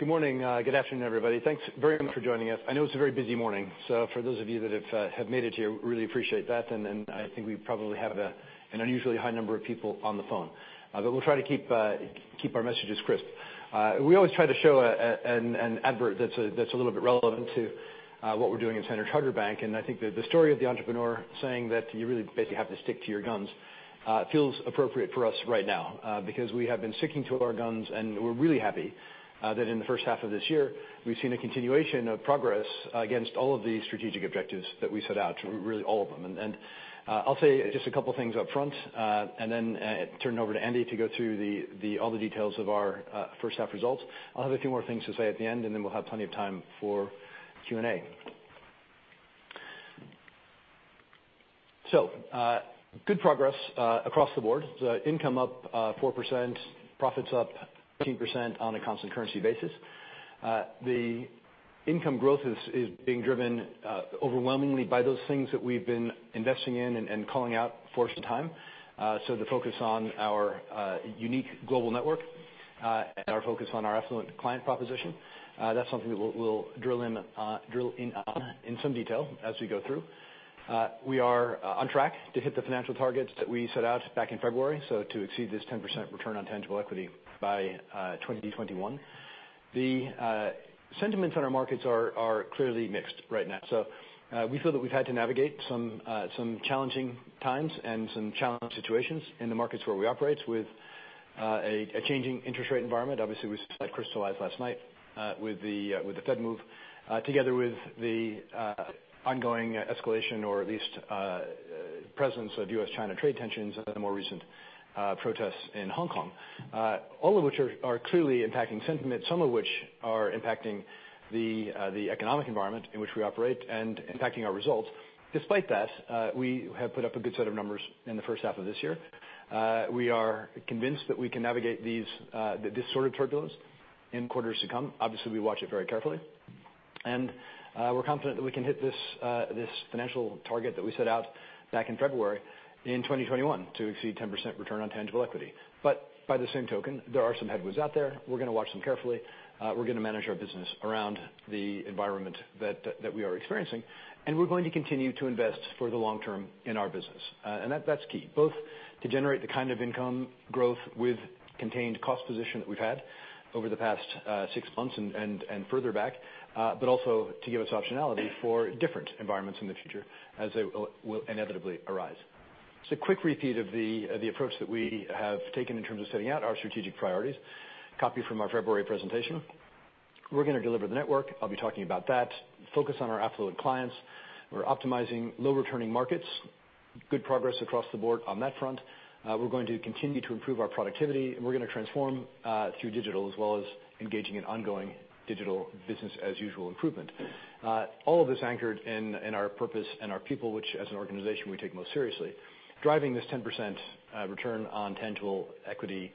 Good morning. Good afternoon, everybody. Thanks very much for joining us. I know it's a very busy morning, so for those of you that have made it here, we really appreciate that, and I think we probably have an unusually high number of people on the phone. We'll try to keep our messages crisp. We always try to show an advert that's a little bit relevant to what we're doing at Standard Chartered Bank, and I think that the story of the entrepreneur saying that you really basically have to stick to your guns feels appropriate for us right now. Because we have been sticking to our guns, and we're really happy that in the first half of this year, we've seen a continuation of progress against all of the strategic objectives that we set out, really all of them. I'll say just a couple of things up front, and then turn it over to Andy to go through all the details of our first half results. I'll have a few more things to say at the end, and then we'll have plenty of time for Q&A. Good progress across the board. Income up 4%, profits up 18% on a constant currency basis. The income growth is being driven overwhelmingly by those things that we've been investing in and calling out for some time. The focus on our unique global network, and our focus on our affluent client proposition. That's something that we'll drill in on in some detail as we go through. We are on track to hit the financial targets that we set out back in February, so to exceed this 10% return on tangible equity by 2021. The sentiments on our markets are clearly mixed right now. We feel that we've had to navigate some challenging times and some challenging situations in the markets where we operate with a changing interest rate environment. Obviously, we saw that crystallize last night with the Fed move, together with the ongoing escalation or at least presence of U.S.-China trade tensions and the more recent protests in Hong Kong. All of which are clearly impacting sentiment, some of which are impacting the economic environment in which we operate and impacting our results. Despite that, we have put up a good set of numbers in the first half of this year. We are convinced that we can navigate this sort of turbulence in quarters to come. Obviously, we watch it very carefully. We're confident that we can hit this financial target that we set out back in February in 2021 to exceed 10% return on tangible equity. By the same token, there are some headwinds out there. We're going to watch them carefully. We're going to manage our business around the environment that we are experiencing, and we're going to continue to invest for the long term in our business. That's key, both to generate the kind of income growth with contained cost position that we've had over the past six months and further back. Also to give us optionality for different environments in the future as they will inevitably arise. A quick repeat of the approach that we have taken in terms of setting out our strategic priorities, copied from our February presentation. We're going to deliver the network. I'll be talking about that. Focus on our affluent clients. We're optimizing low-returning markets. Good progress across the board on that front. We're going to continue to improve our productivity, and we're going to transform through digital as well as engaging in ongoing digital business as usual improvement. All of this anchored in our purpose and our people, which as an organization, we take most seriously. Driving this 10% return on tangible equity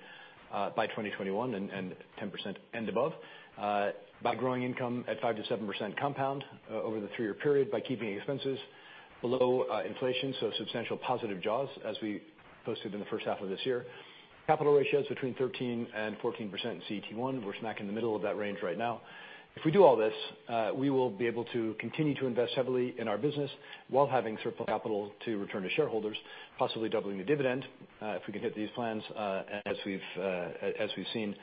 by 2021 and above by growing income at 5%-7% compound over the three-year period by keeping expenses below inflation, so substantial positive jaws as we posted in the first half of this year. Capital ratios between 13% and 14% in CET1. We're smack in the middle of that range right now. If we do all this, we will be able to continue to invest heavily in our business while having surplus capital to return to shareholders, possibly doubling the dividend, if we can hit these plans, as we've seen,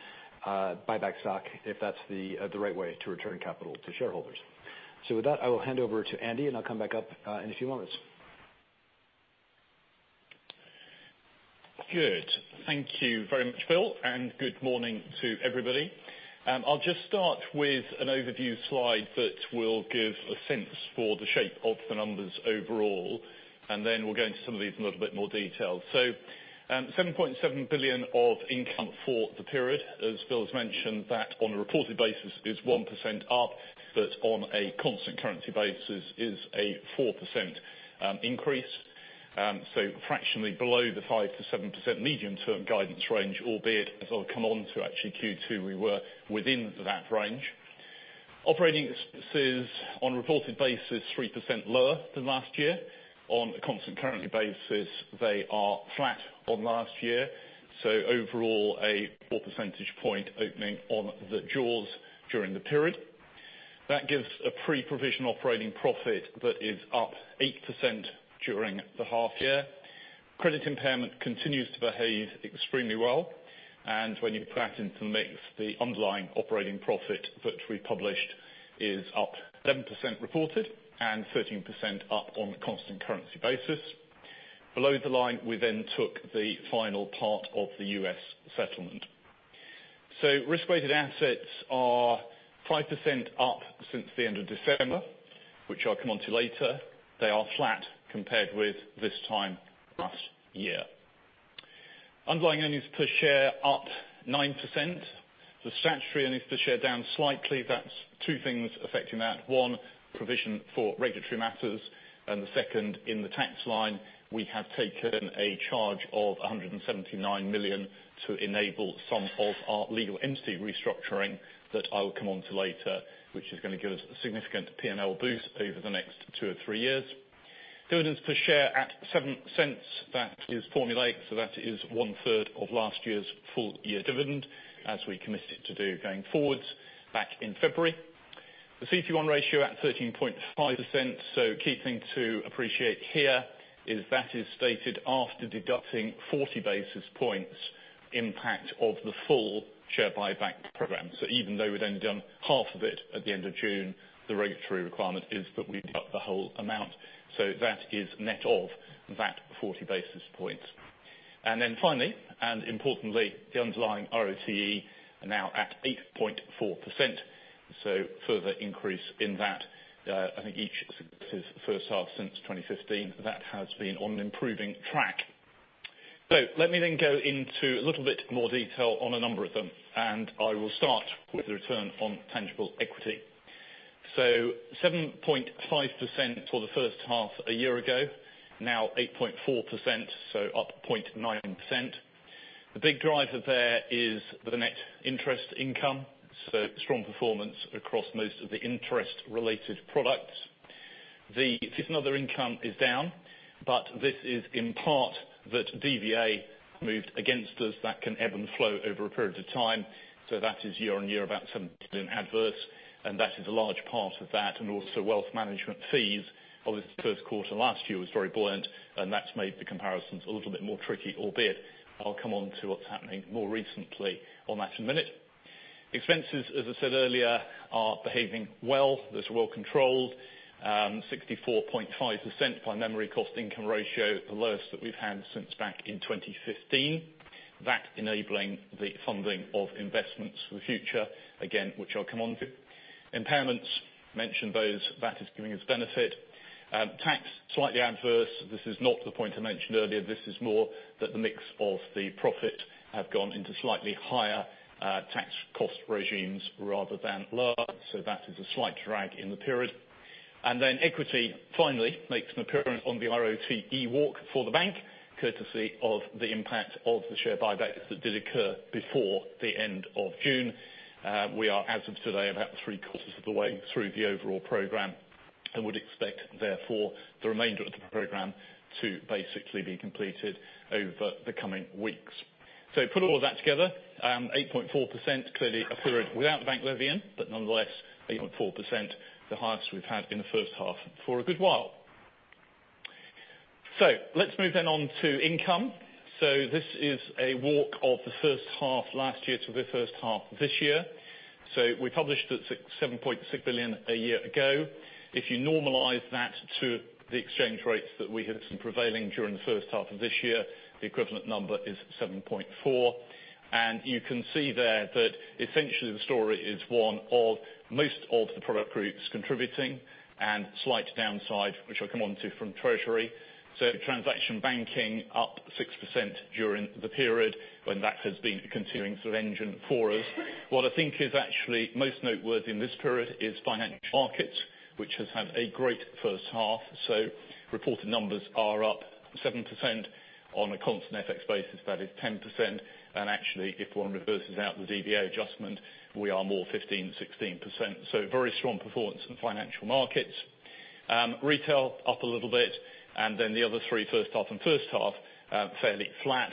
buyback stock if that's the right way to return capital to shareholders. With that, I will hand over to Andy, and I'll come back up in a few moments. Good. Thank you very much, Bill, and good morning to everybody. I'll just start with an overview slide that will give a sense for the shape of the numbers overall, and then we'll go into some of these in a little bit more detail. $7.7 billion of income for the period. As Bill has mentioned, that on a reported basis is 1% up, but on a constant currency basis is a 4% increase. Fractionally below the 5%-7% medium-term guidance range, albeit, as I'll come on to actually Q2, we were within that range. Operating expenses on a reported basis, 3% lower than last year. On a constant currency basis, they are flat on last year. Overall, a 4 percentage point opening on the jaws during the period. That gives a pre-provision operating profit that is up 8% during the half year. Credit impairment continues to behave extremely well. When you put that into the mix, the underlying operating profit that we published is up 7% reported and 13% up on a constant currency basis. Below the line, we then took the final part of the U.S. settlement. Risk-weighted assets are 5% up since the end of December, which I'll come onto later. They are flat compared with this time last year. Underlying earnings per share up 9%. The statutory earnings per share down slightly. That's two things affecting that. One, provision for regulatory matters. The second in the tax line, we have taken a charge of $179 million to enable some of our legal entity restructuring that I will come onto later, which is going to give us a significant P&L boost over the next two or three years. Dividends per share at $0.07. That is formulae. That is one third of last year's full year dividend, as we committed to do going forward back in February. The CET1 ratio at 13.5%. Key thing to appreciate here is that is stated after deducting 40 basis points impact of the full share buyback program. Even though we'd only done half of it at the end of June, the regulatory requirement is that we cut the whole amount. That is net of that 40 basis points. Finally, and importantly, the underlying ROAE are now at 8.4%, further increase in that. I think each first half since 2015, that has been on an improving track. Let me then go into a little bit more detail on a number of them, and I will start with the return on tangible equity. 7.5% for the first half a year ago, now 8.4%, up 0.9%. The big driver there is the net interest income, strong performance across most of the interest related products. The fee and other income is down, this is in part that DVA moved against us. That can ebb and flow over a period of time. That is year-on-year about $17 million adverse, that is a large part of that. Also wealth management fees. Obviously the first quarter last year was very buoyant and that's made the comparisons a little bit more tricky, albeit I'll come on to what's happening more recently on that in a minute. Expenses, as I said earlier, are behaving well. Those are well controlled, 64.5% by memory cost income ratio, the lowest that we've had since back in 2015. That enabling the funding of investments for the future, again, which I'll come on to. Impairments, mentioned those. That is giving us benefit. Tax, slightly adverse. This is not the point I mentioned earlier. This is more that the mix of the profit have gone into slightly higher tax cost regimes rather than lower. That is a slight drag in the period. Equity finally makes an appearance on the ROAE walk for the bank, courtesy of the impact of the share buybacks that did occur before the end of June. We are, as of today, about three quarters of the way through the overall program and would expect therefore the remainder of the program to basically be completed over the coming weeks. Put all of that together, 8.4%, clearly a period without the bank levy, but nonetheless 8.4%, the highest we've had in the first half for a good while. Let's move then on to income. This is a walk of the first half last year to the first half this year. We published at $7.6 billion a year ago. If you normalize that to the exchange rates that we had prevailing during the first half of this year, the equivalent number is $7.4 billion. You can see there that essentially the story is one of most of the product groups contributing and slight downside, which I'll come on to from treasury. Transaction banking up 6% during the period when that has been a continuing sort of engine for us. What I think is actually most noteworthy in this period is financial markets, which has had a great first half. Reported numbers are up 7%. On a constant FX basis, that is 10%. Actually, if one reverses out the DVA adjustment, we are more 15%, 16%. Very strong performance in financial markets. Retail up a little bit. The other three first half and first half, fairly flat.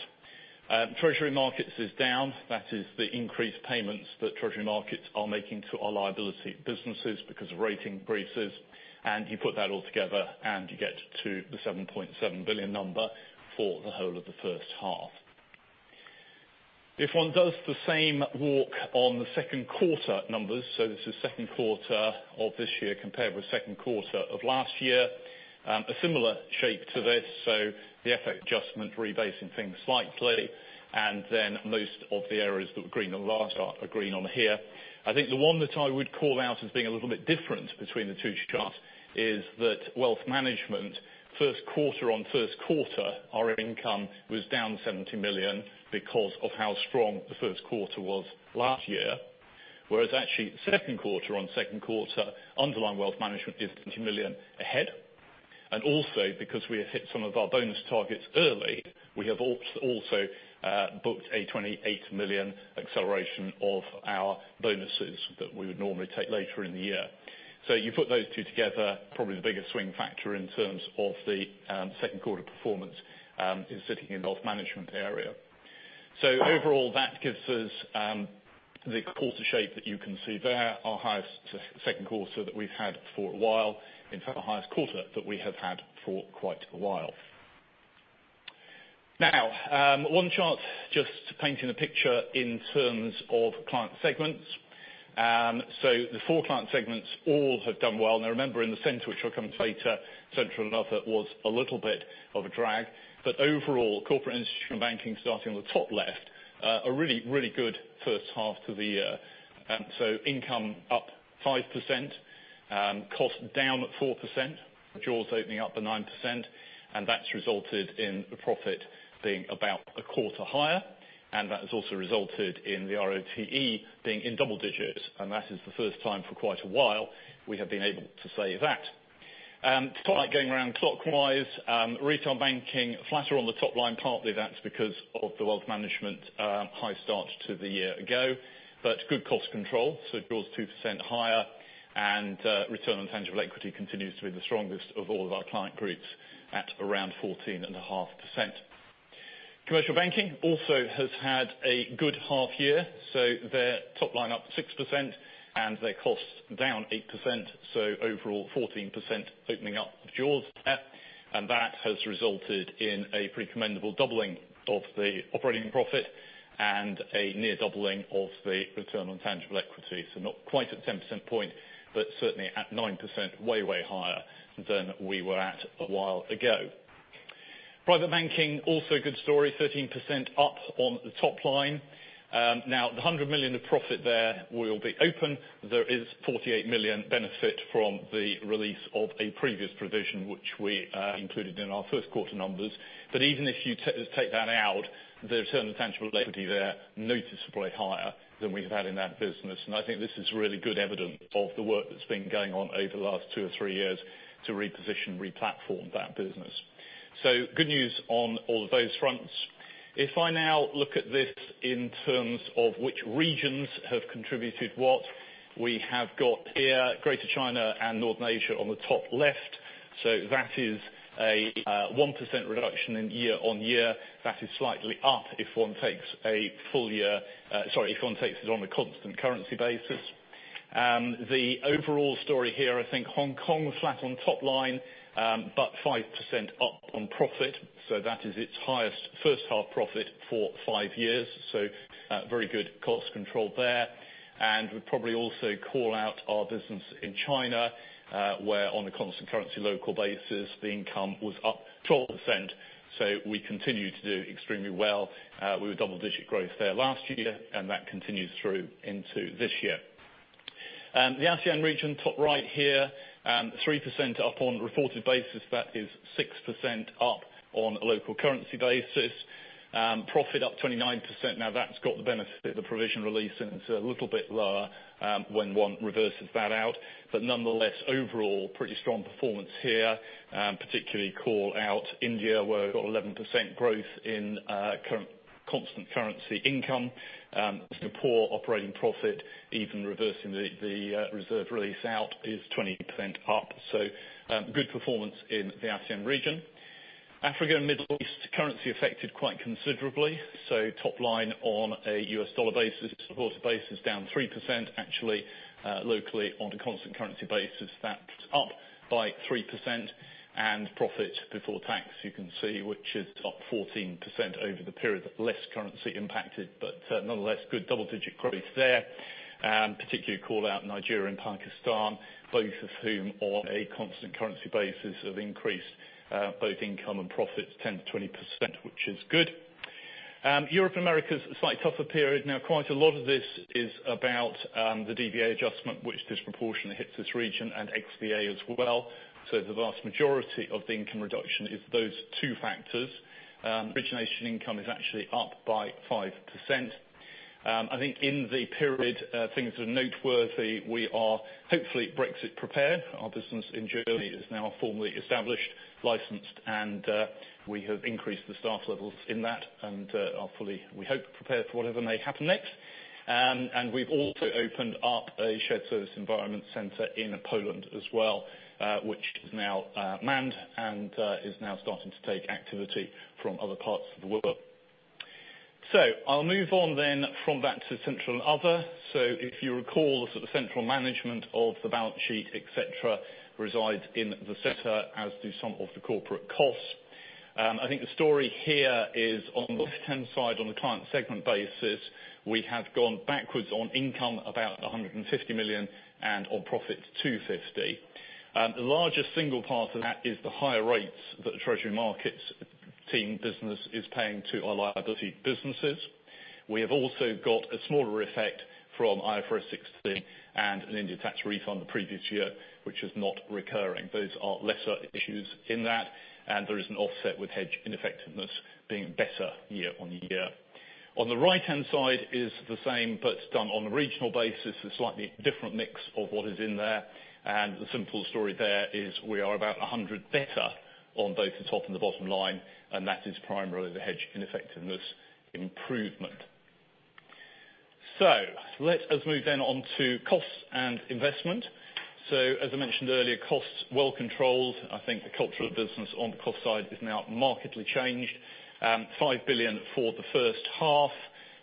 Treasury markets is down. That is the increased payments that treasury markets are making to our liability businesses because of rating raises. You put that all together and you get to the $7.7 billion number for the whole of the first half. If one does the same walk on the second quarter numbers, this is second quarter of this year compared with second quarter of last year. A similar shape to this. The FX adjustment rebasing things slightly. Most of the areas that were green on the last are green on here. I think the one that I would call out as being a little bit different between the two charts is that wealth management, first-quarter on first-quarter, our income was down $70 million because of how strong the first quarter was last year. Whereas actually second-quarter on second-quarter, underlying wealth management is $20 million ahead. Also because we have hit some of our bonus targets early, we have also booked a $28 million acceleration of our bonuses that we would normally take later in the year. You put those two together, probably the biggest swing factor in terms of the second quarter performance is sitting in the wealth management area. Overall that gives us the quarter shape that you can see there. Our highest second quarter that we've had for a while. In fact, the highest quarter that we have had for quite a while. One chart just painting a picture in terms of client segments. The four client segments all have done well. Remember in the center, which I'll come to later, Central and Other was a little bit of a drag. Overall, Corporate & Institutional Banking starting on the top left, a really, really good first half to the year. Income up 5%, cost down 4%, draws opening up to 9%, and that's resulted in the profit being about a quarter higher. That has also resulted in the ROAE being in double digits. That is the first time for quite a while we have been able to say that. To talk about going round clockwise, Retail Banking, flatter on the top line. Partly that's because of the wealth management high start to the year ago. Good cost control. Draws 2% higher and return on tangible equity continues to be the strongest of all of our client groups at around 14.5%. Commercial Banking also has had a good half year. Their top line up 6%, and their costs down 8%. Overall, 14% opening up of jaws there. That has resulted in a pretty commendable doubling of the operating profit and a near doubling of the return on tangible equity. Not quite at 10% point, but certainly at 9%, way higher than we were at a while ago. Private Banking, also a good story, 13% up on the top line. Now, the $100 million of profit there will be open. There is 48 million benefit from the release of a previous provision, which we included in our first quarter numbers. Even if you take that out, the return on tangible equity there noticeably higher than we've had in that business. I think this is really good evidence of the work that's been going on over the last two or three years to reposition, replatform that business. Good news on all of those fronts. If I now look at this in terms of which regions have contributed what, we have got here Greater China and North Asia on the top left. That is a 1% reduction in year-on-year. That is slightly up if one takes it on a constant currency basis. The overall story here, I think Hong Kong flat on top line, but 5% up on profit. That is its highest first half profit for five years. Very good cost control there. We probably also call out our business in China, where on a constant currency local basis, the income was up 12%. We continue to do extremely well. We were double-digit growth there last year, and that continues through into this year. The ASEAN region, top right here, 3% up on a reported basis. That is 6% up on a local currency basis. Profit up 29%. Now that's got the benefit of the provision release and it's a little bit lower when one reverses that out. Nonetheless, overall, pretty strong performance here. Particularly call out India, where we've got 11% growth in constant currency income. Singapore operating profit, even reversing the reserve release out, is 20% up. Good performance in the ASEAN region. Africa and Middle East, currency affected quite considerably. Top line on a U.S. dollar basis, reported basis, down 3%. Actually, locally on a constant currency basis, that's up by 3%. Profit before tax, you can see, which is up 14% over the period. Less currency impacted, but nonetheless, good double-digit growth there. Particularly call out Nigeria and Pakistan, both of whom, on a constant currency basis, have increased both income and profits 10%-20%, which is good. Europe and Americas, a slightly tougher period. Quite a lot of this is about the DVA adjustment, which disproportionately hits this region, and XVA as well. The vast majority of the income reduction is those two factors. Origination income is actually up by 5%. I think in the period, things that are noteworthy, we are hopefully Brexit prepared. Our business in Germany is now formally established, licensed, and we have increased the staff levels in that and are fully, we hope, prepared for whatever may happen next. We've also opened up a shared service environment center in Poland as well, which is now manned and is now starting to take activity from other parts of the world. I'll move on then from that to Central and Other. If you recall, the central management of the balance sheet, et cetera, resides in the center, as do some of the corporate costs. I think the story here is on the left-hand side, on the client segment basis, we have gone backwards on income about 150 million and on profit 250. The largest single part of that is the higher rates that the treasury markets team business is paying to our liability businesses. We have also got a smaller effect from IFRS 16 and an India tax refund the previous year, which is not recurring. Those are lesser issues in that, and there is an offset with hedge ineffectiveness being better year-on-year. On the right-hand side is the same, but done on a regional basis. A slightly different mix of what is in there. The simple story there is we are about 100 better on both the top and the bottom line, and that is primarily the hedge ineffectiveness improvement. Let us move then on to costs and investment. As I mentioned earlier, costs well controlled. I think the culture of the business on the cost side is now markedly changed. 5 billion for the first half.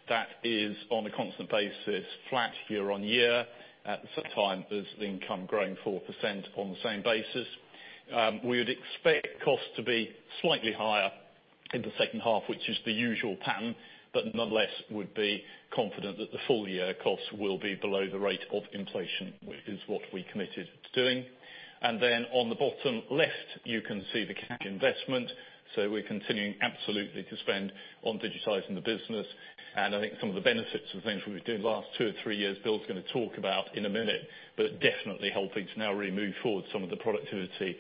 That is on a constant basis, flat year-on-year. At the same time as the income growing 4% on the same basis. We would expect costs to be slightly higher in the second half, which is the usual pattern. Nonetheless, would be confident that the full year costs will be below the rate of inflation, which is what we committed to doing. On the bottom left, you can see the tech investment. We're continuing absolutely to spend on digitizing the business. I think some of the benefits of things we've been doing the last two or three years, Bill's going to talk about in a minute. Definitely helping to now really move forward some of the productivity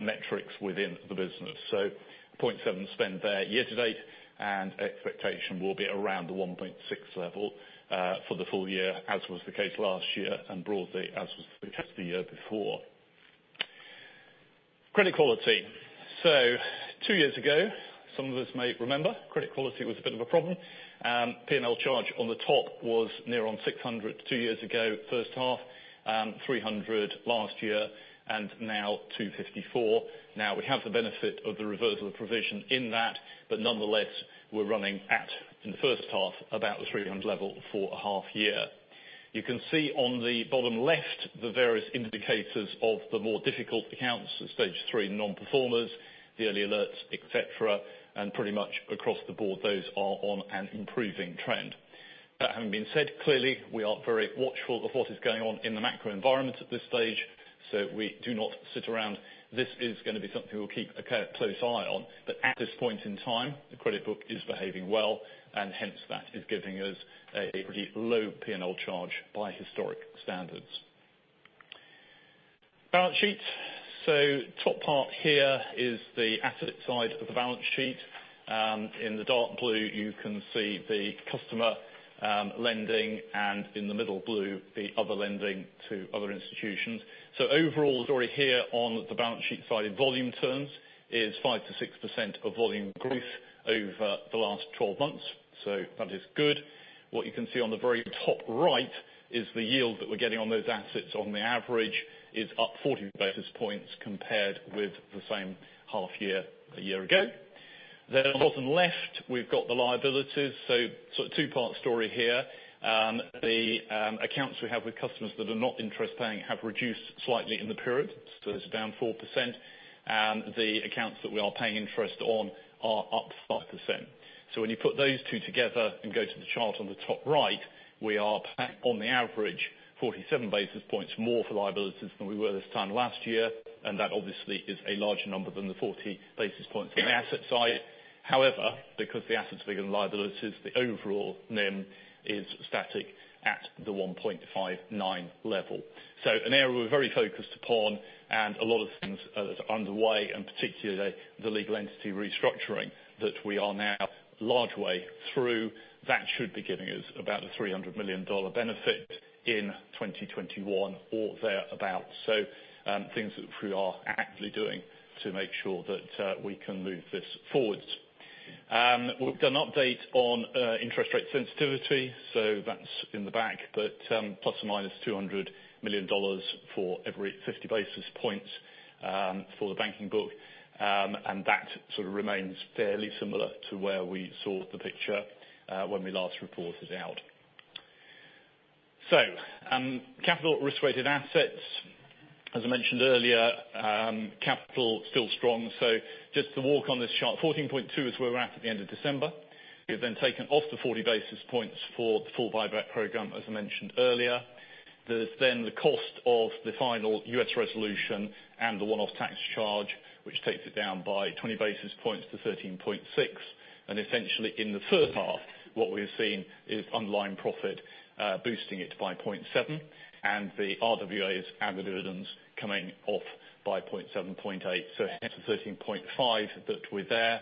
metrics within the business. $700 million spend there year to date, expectation will be around the $1.6 billion level for the full year, as was the case last year, broadly as was the case the year before. Credit quality. Two years ago, some of us may remember, credit quality was a bit of a problem. P&L charge on the top was near on $600 million two years ago, first half, $300 million last year, and now $254 million. We have the benefit of the reversal of provision in that. Nonetheless, we're running at, in the first half, about the $300 million level for a half year. You can see on the bottom left the various indicators of the more difficult accounts, the stage 3 non-performers, the early alerts, et cetera, and pretty much across the board, those are on an improving trend. That having been said, clearly, we are very watchful of what is going on in the macro environment at this stage. We do not sit around. This is going to be something we'll keep a close eye on. At this point in time, the credit book is behaving well, and hence that is giving us a pretty low P&L charge by historic standards. Balance sheet. Top part here is the asset side of the balance sheet. In the dark blue, you can see the customer lending, and in the middle blue, the other lending to other institutions. Overall story here on the balance sheet side in volume terms is 5%-6% of volume growth over the last 12 months. That is good. What you can see on the very top right is the yield that we're getting on those assets on the average is up 40 basis points compared with the same half year a year ago. On the bottom left, we've got the liabilities. Two-part story here. The accounts we have with customers that are not interest-paying have reduced slightly in the period, so that's down 4%. The accounts that we are paying interest on are up 5%. When you put those two together and go to the chart on the top right, we are paying on the average 47 basis points more for liabilities than we were this time last year, and that obviously is a larger number than the 40 basis points on the asset side. Because the assets are bigger than the liabilities, the overall NIM is static at the 1.59% level. An area we're very focused upon and a lot of things that are underway, and particularly the legal entity restructuring that we are now a large way through. That should be giving us about a $300 million benefit in 2021 or thereabout. Things that we are actively doing to make sure that we can move this forwards. We've done an update on interest rate sensitivity, so that's in the back, but ±$200 million for every 50 basis points for the banking book. That sort of remains fairly similar to where we saw the picture when we last reported out. Capital risk-weighted assets. As I mentioned earlier, capital still strong. Just to walk on this chart, 14.2% is where we're at at the end of December. We have taken off the 40 basis points for the full buyback program, as I mentioned earlier. There's the cost of the final U.S. resolution and the one-off tax charge, which takes it down by 20 basis points to 13.6%. Essentially in the first half, what we've seen is underlying profit boosting it by 0.7% and the RWAs and the dividends coming off by 0.7%, 0.8%. Hence the 13.5% that we're there.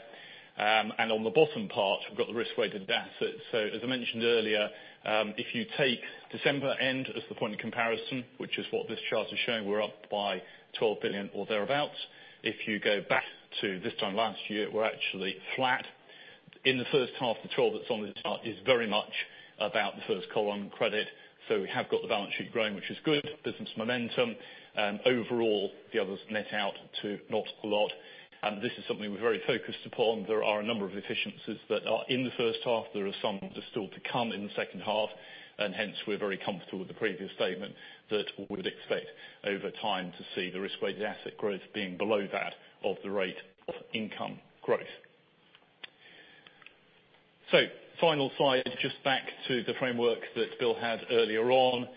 On the bottom part, we've got the risk-weighted assets. As I mentioned earlier, if you take December-end as the point of comparison, which is what this chart is showing, we're up by $12 billion or thereabouts. If you go back to this time last year, we're actually flat. In the first half, the $12 billion that's on this chart is very much about the first column credit. We have got the balance sheet growing, which is good. Business momentum. Overall, the others net out to not a lot. This is something we're very focused upon. There are a number of efficiencies that are in the first half. There are some that are still to come in the second half, and hence we're very comfortable with the previous statement that we'd expect over time to see the risk-weighted asset growth being below that of the rate of income growth. Final slide, just back to the framework that Bill had earlier on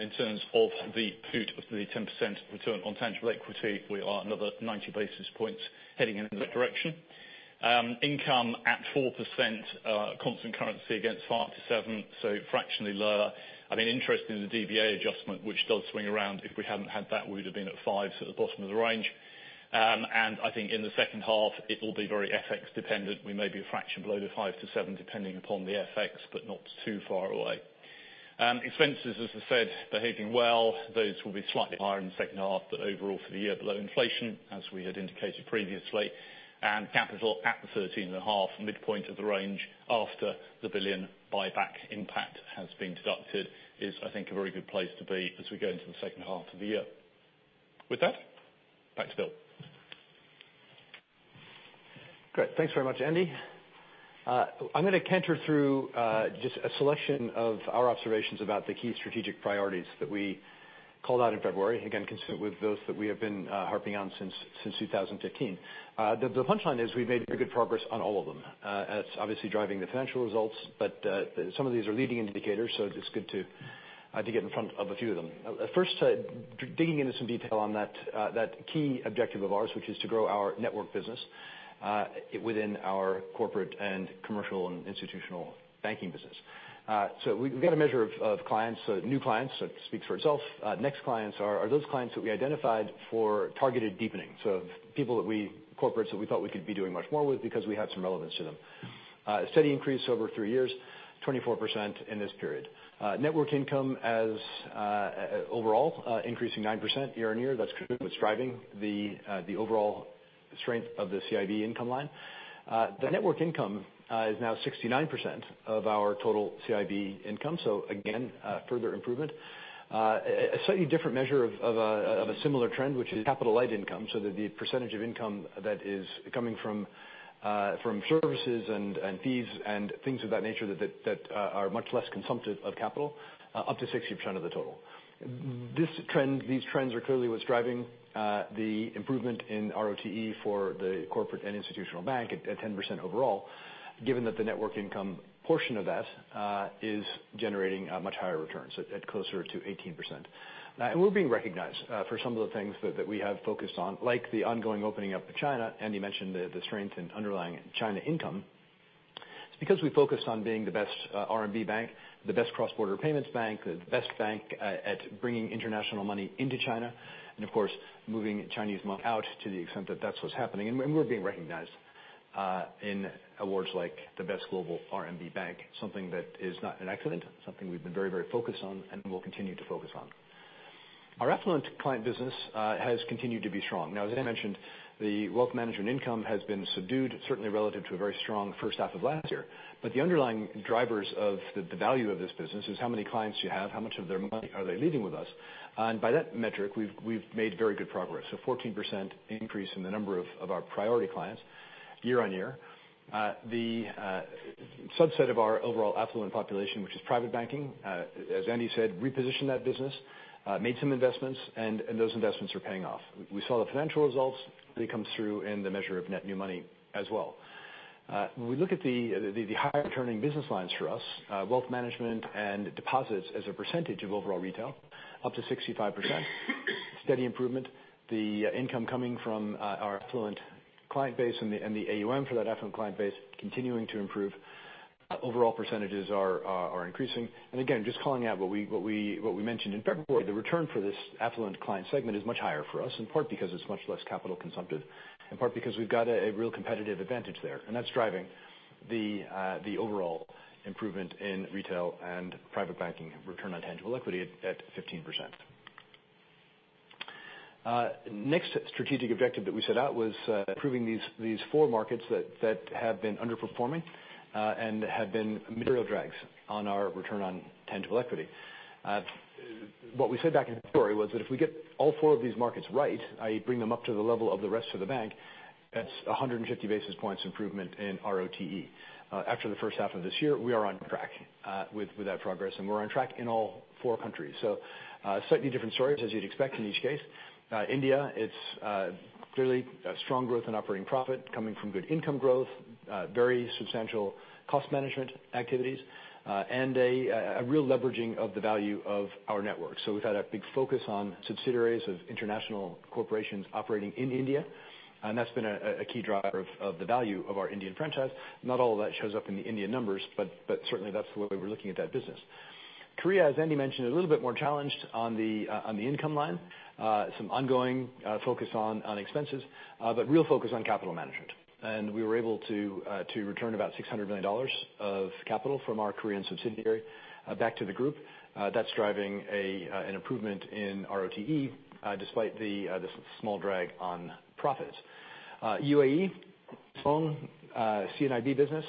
in terms of the pursuit of the 10% return on tangible equity. We are another 90 basis points heading in the right direction. Income at 4% constant currency against 5%-7%, so fractionally lower. Interesting, the DVA adjustment, which does swing around. If we hadn't had that, we would have been at 5%, so at the bottom of the range. I think in the second half it will be very FX dependent. We may be a fraction below the 5%-7% depending upon the FX, but not too far away. Expenses, as I said, behaving well. Those will be slightly higher in the second half, but overall for the year below inflation as we had indicated previously. Capital at the 13.5% mid-point of the range after the 1 billion buyback impact has been deducted is, I think, a very good place to be as we go into the second half of the year. With that, back to Bill. Great. Thanks very much, Andy. I'm going to canter through just a selection of our observations about the key strategic priorities that we called out in February. Again, consistent with those that we have been harping on since 2015. The punchline is we've made very good progress on all of them. It's obviously driving the financial results, but some of these are leading indicators, so it's good to get in front of a few of them. First, digging into some detail on that key objective of ours, which is to grow our network business within our corporate and commercial and institutional banking business. We've got a measure of clients. New clients, speaks for itself. Next clients are those clients that we identified for targeted deepening. Corporates that we thought we could be doing much more with because we had some relevance to them. A steady increase over three years, 24% in this period. Network income as overall increasing 9% year-on-year. That's what's driving the overall strength of the CIB income line. The network income is now 69% of our total CIB income. Again, further improvement. A slightly different measure of a similar trend, which is capital-light income, so that the percentage of income that is coming from services and fees and things of that nature that are much less consumptive of capital, up to 60% of the total. These trends are clearly what's driving the improvement in ROTE for the Corporate and Institutional Bank at 10% overall, given that the net income portion of that is generating much higher returns at closer to 18%. We're being recognized for some of the things that we have focused on, like the ongoing opening up of China. Andy mentioned the strength in underlying China income. It's because we focus on being the best RMB bank, the best cross-border payments bank, the best bank at bringing international money into China, and of course, moving Chinese money out to the extent that that's what's happening. We're being recognized in awards like the best global RMB bank, something that is not an accident, something we've been very focused on and will continue to focus on. Our affluent client business has continued to be strong. As Andy mentioned, the wealth management income has been subdued, certainly relative to a very strong first half of last year. The underlying drivers of the value of this business is how many clients you have, how much of their money are they leaving with us. By that metric, we've made very good progress. 14% increase in the number of our priority clients year-on-year. The subset of our overall affluent population, which is private banking, as Andy said, reposition that business, made some investments and those investments are paying off. We saw the financial results. They come through in the measure of net new money as well. We look at the higher returning business lines for us, wealth management and deposits as a percentage of overall retail up to 65%. Steady improvement. The income coming from our affluent client base and the AUM for that affluent client base continuing to improve. Overall percentages are increasing. Again, just calling out what we mentioned in February, the return for this affluent client segment is much higher for us, in part because it's much less capital consumptive, in part because we've got a real competitive advantage there. That's driving the overall improvement in retail and private banking return on tangible equity at 15%. Next strategic objective that we set out was improving these four markets that have been underperforming, and have been material drags on our return on tangible equity. What we said back in February was that if we get all four of these markets right, i.e. bring them up to the level of the rest of the bank, that's 150 basis points improvement in ROTE. After the first half of this year, we are on track with that progress, and we're on track in all four countries. Slightly different stories, as you'd expect in each case. India, it's clearly a strong growth in operating profit, coming from good income growth, very substantial cost management activities, and a real leveraging of the value of our network. We've had a big focus on subsidiaries of international corporations operating in India, and that's been a key driver of the value of our Indian franchise. Not all of that shows up in the India numbers, but certainly that's the way we're looking at that business. Korea, as Andy mentioned, a little bit more challenged on the income line. Some ongoing focus on expenses, but real focus on capital management. We were able to return about $600 million of capital from our Korean subsidiary back to the group. That's driving an improvement in ROTE, despite the small drag on profit. UAE, strong C&IB business,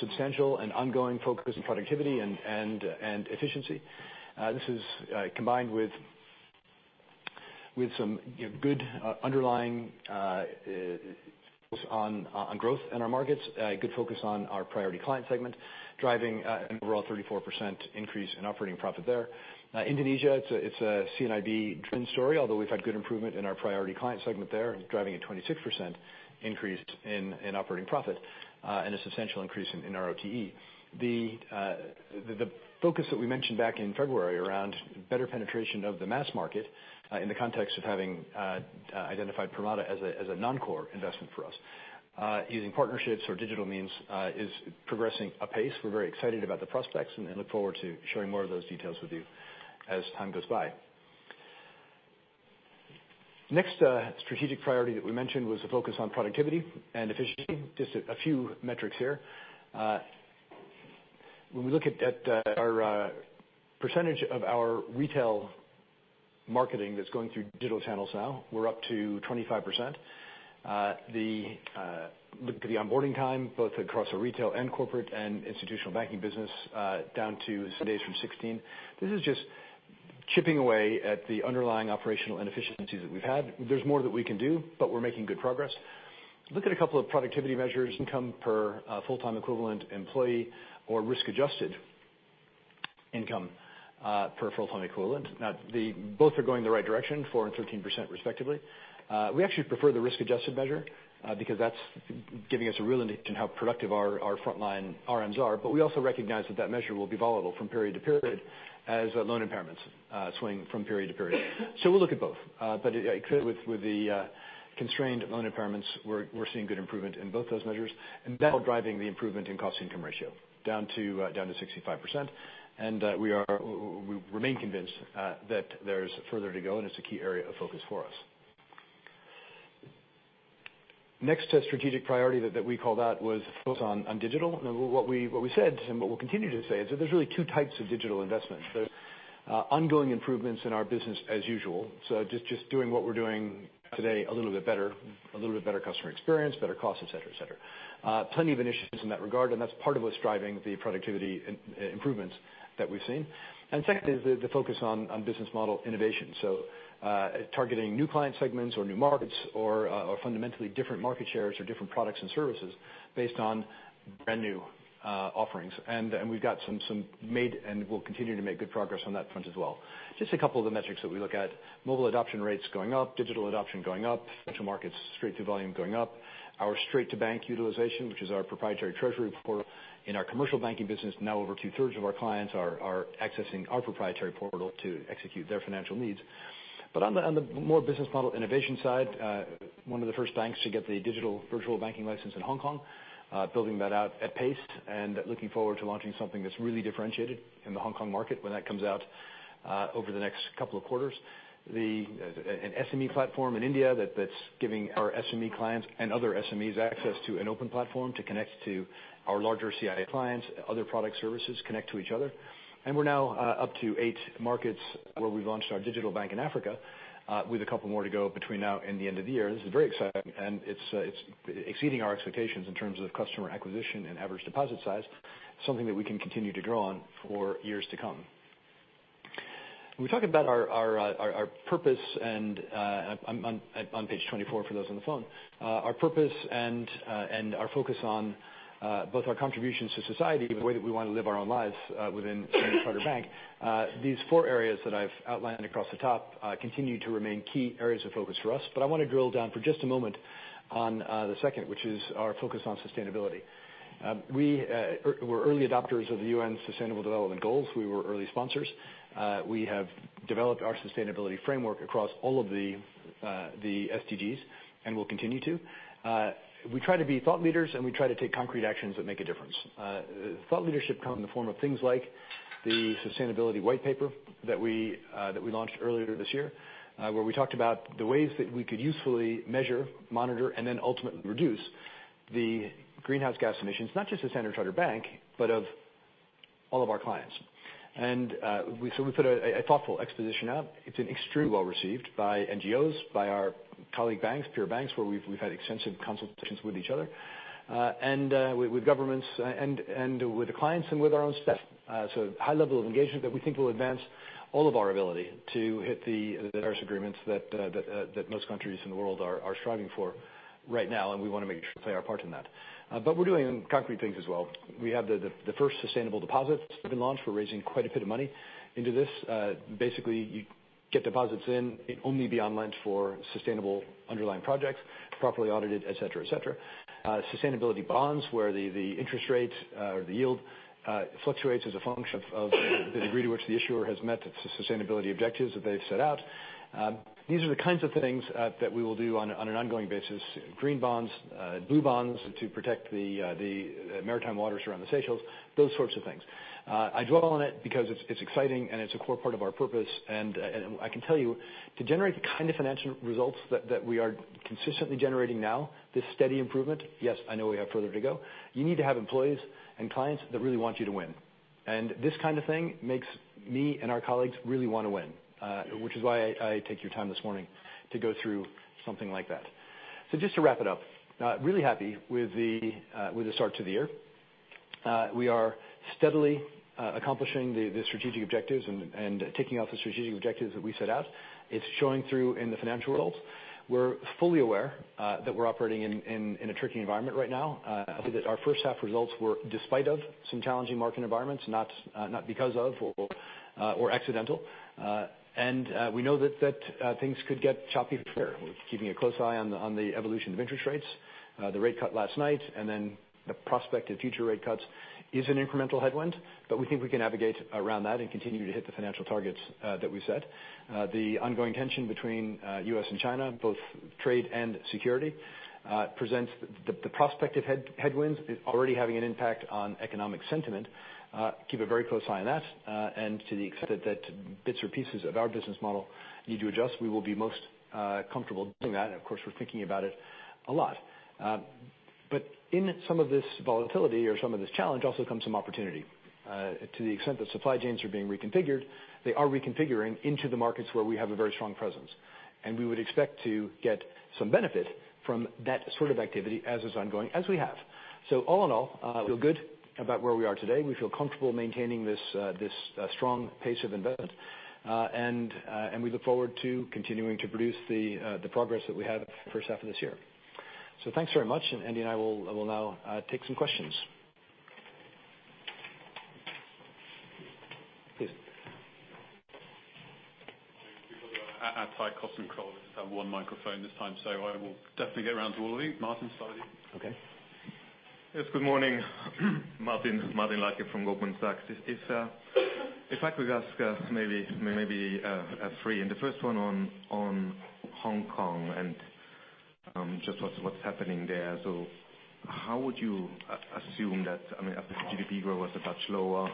substantial and ongoing focus on productivity and efficiency. This is combined with some good underlying focus on growth in our markets, good focus on our priority client segment, driving an overall 34% increase in operating profit there. Indonesia, it's a C&IB driven story, although we've had good improvement in our priority client segment there, driving a 26% increase in operating profit, and a substantial increase in ROTE. The focus that we mentioned back in February around better penetration of the mass market, in the context of having identified Permata as a non-core investment for us. Using partnerships or digital means is progressing apace. We're very excited about the prospects and look forward to sharing more of those details with you as time goes by. Next strategic priority that we mentioned was a focus on productivity and efficiency. Just a few metrics here. When we look at our percentage of our retail marketing that's going through digital channels now, we're up to 25%. The onboarding time, both across our retail and Corporate and Institutional Banking business, down to six days from 16. This is just chipping away at the underlying operational inefficiencies that we've had. There's more that we can do, but we're making good progress. Look at a couple of productivity measures, income per full-time equivalent employee or risk-adjusted income, per full-time equivalent. Both are going the right direction, 4% and 13% respectively. We actually prefer the risk-adjusted measure, because that's giving us a real indication how productive our frontline RMs are. We also recognize that that measure will be volatile from period to period as loan impairments swing from period to period. We'll look at both. Clearly with the constrained loan impairments, we're seeing good improvement in both those measures. That will drive the improvement in cost income ratio down to 65%. We remain convinced that there's further to go, and it's a key area of focus for us. Next strategic priority that we called out was focus on digital. What we said, and what we'll continue to say, is that there's really two types of digital investment. There's ongoing improvements in our business as usual, so just doing what we're doing today a little bit better, a little bit better customer experience, better cost, et cetera. Plenty of initiatives in that regard, and that's part of what's driving the productivity improvements that we've seen. Second is the focus on business model innovation. Targeting new client segments or new markets or fundamentally different market shares or different products and services based on brand-new offerings. We've got some made, and we'll continue to make good progress on that front as well. Just a couple of the metrics that we look at, mobile adoption rates going up, digital adoption going up, financial markets straight-through volume going up. Our Straight2Bank utilization, which is our proprietary treasury portal in our commercial banking business. Now, over 2/3 of our clients are accessing our proprietary portal to execute their financial needs. On the more business model innovation side, one of the first banks to get the digital virtual banking license in Hong Kong, building that out at pace and looking forward to launching something that's really differentiated in the Hong Kong market when that comes out over the next couple of quarters. An SME platform in India that's giving our SME clients and other SMEs access to an open platform to connect to our larger CIB clients, other product services connect to each other. We're now up to eight markets where we've launched our digital bank in Africa, with a couple more to go between now and the end of the year. This is very exciting, and it's exceeding our expectations in terms of customer acquisition and average deposit size, something that we can continue to grow on for years to come. We talked about our purpose and, on page 24 for those on the phone. Our purpose and our focus on both our contributions to society, but the way that we want to live our own lives within Standard Chartered Bank. These four areas that I've outlined across the top continue to remain key areas of focus for us. I want to drill down for just a moment on the second, which is our focus on sustainability. We were early adopters of the UN Sustainable Development Goals, we were early sponsors. We have developed our sustainability framework across all of the SDGs, and will continue to. We try to be thought leaders, and we try to take concrete actions that make a difference. Thought leadership comes in the form of things like the sustainability white paper that we launched earlier this year. Where we talked about the ways that we could usefully measure, monitor, and then ultimately reduce the greenhouse gas emissions, not just at Standard Chartered Bank, but of all of our clients. So we put a thoughtful exposition out. It's been extremely well received by NGOs, by our colleague banks, peer banks, where we've had extensive consultations with each other. With governments and with the clients and with our own staff. A high level of engagement that we think will advance all of our ability to hit the Paris Agreement that most countries in the world are striving for right now, and we want to make sure we play our part in that. We're doing concrete things as well. We have the first sustainable deposits that have been launched. We're raising quite a bit of money into this. Basically, you get deposits in, it only be on lent for sustainable underlying projects, properly audited, et cetera. Sustainability bonds, where the interest rate or the yield fluctuates as a function of the degree to which the issuer has met its sustainability objectives that they've set out. These are the kinds of things that we will do on an ongoing basis. Green bonds, blue bonds to protect the maritime waters around the Seychelles, those sorts of things. I dwell on it because it's exciting, and it's a core part of our purpose. I can tell you, to generate the kind of financial results that we are consistently generating now, this steady improvement, yes, I know we have further to go. You need to have employees and clients that really want you to win. This kind of thing makes me and our colleagues really want to win, which is why I take your time this morning to go through something like that. Just to wrap it up. Really happy with the start to the year. We are steadily accomplishing the strategic objectives, and ticking off the strategic objectives that we set out. It's showing through in the financial results. We're fully aware that we're operating in a tricky environment right now. I'll say that our first half results were despite of some challenging market environments, not because of or accidental. We know that things could get choppy for sure. We're keeping a close eye on the evolution of interest rates. The rate cut last night, and then the prospect of future rate cuts is an incremental headwind. We think we can navigate around that and continue to hit the financial targets that we've set. The ongoing tension between U.S. and China, both trade and security, presents the prospective headwinds, is already having an impact on economic sentiment. Keep a very close eye on that. To the extent that bits or pieces of our business model need to adjust, we will be most comfortable doing that, and of course, we're thinking about it a lot. In some of this volatility or some of this challenge also comes some opportunity. To the extent that supply chains are being reconfigured, they are reconfiguring into the markets where we have a very strong presence. We would expect to get some benefit from that sort of activity as is ongoing, as we have. All in all, we feel good about where we are today. We feel comfortable maintaining this strong pace of investment. We look forward to continuing to produce the progress that we have the first half of this year. Thanks very much, and Andy and I will now take some questions. Please. just have one microphone this time. I will definitely get around to all of you. Martin, start with you. Okay. Yes, good morning. Martin Leitgeb from Goldman Sachs. If I could ask maybe three. The first one on Hong Kong and just what's happening there. How would you assume that, I mean, obviously GDP growth was a touch lower.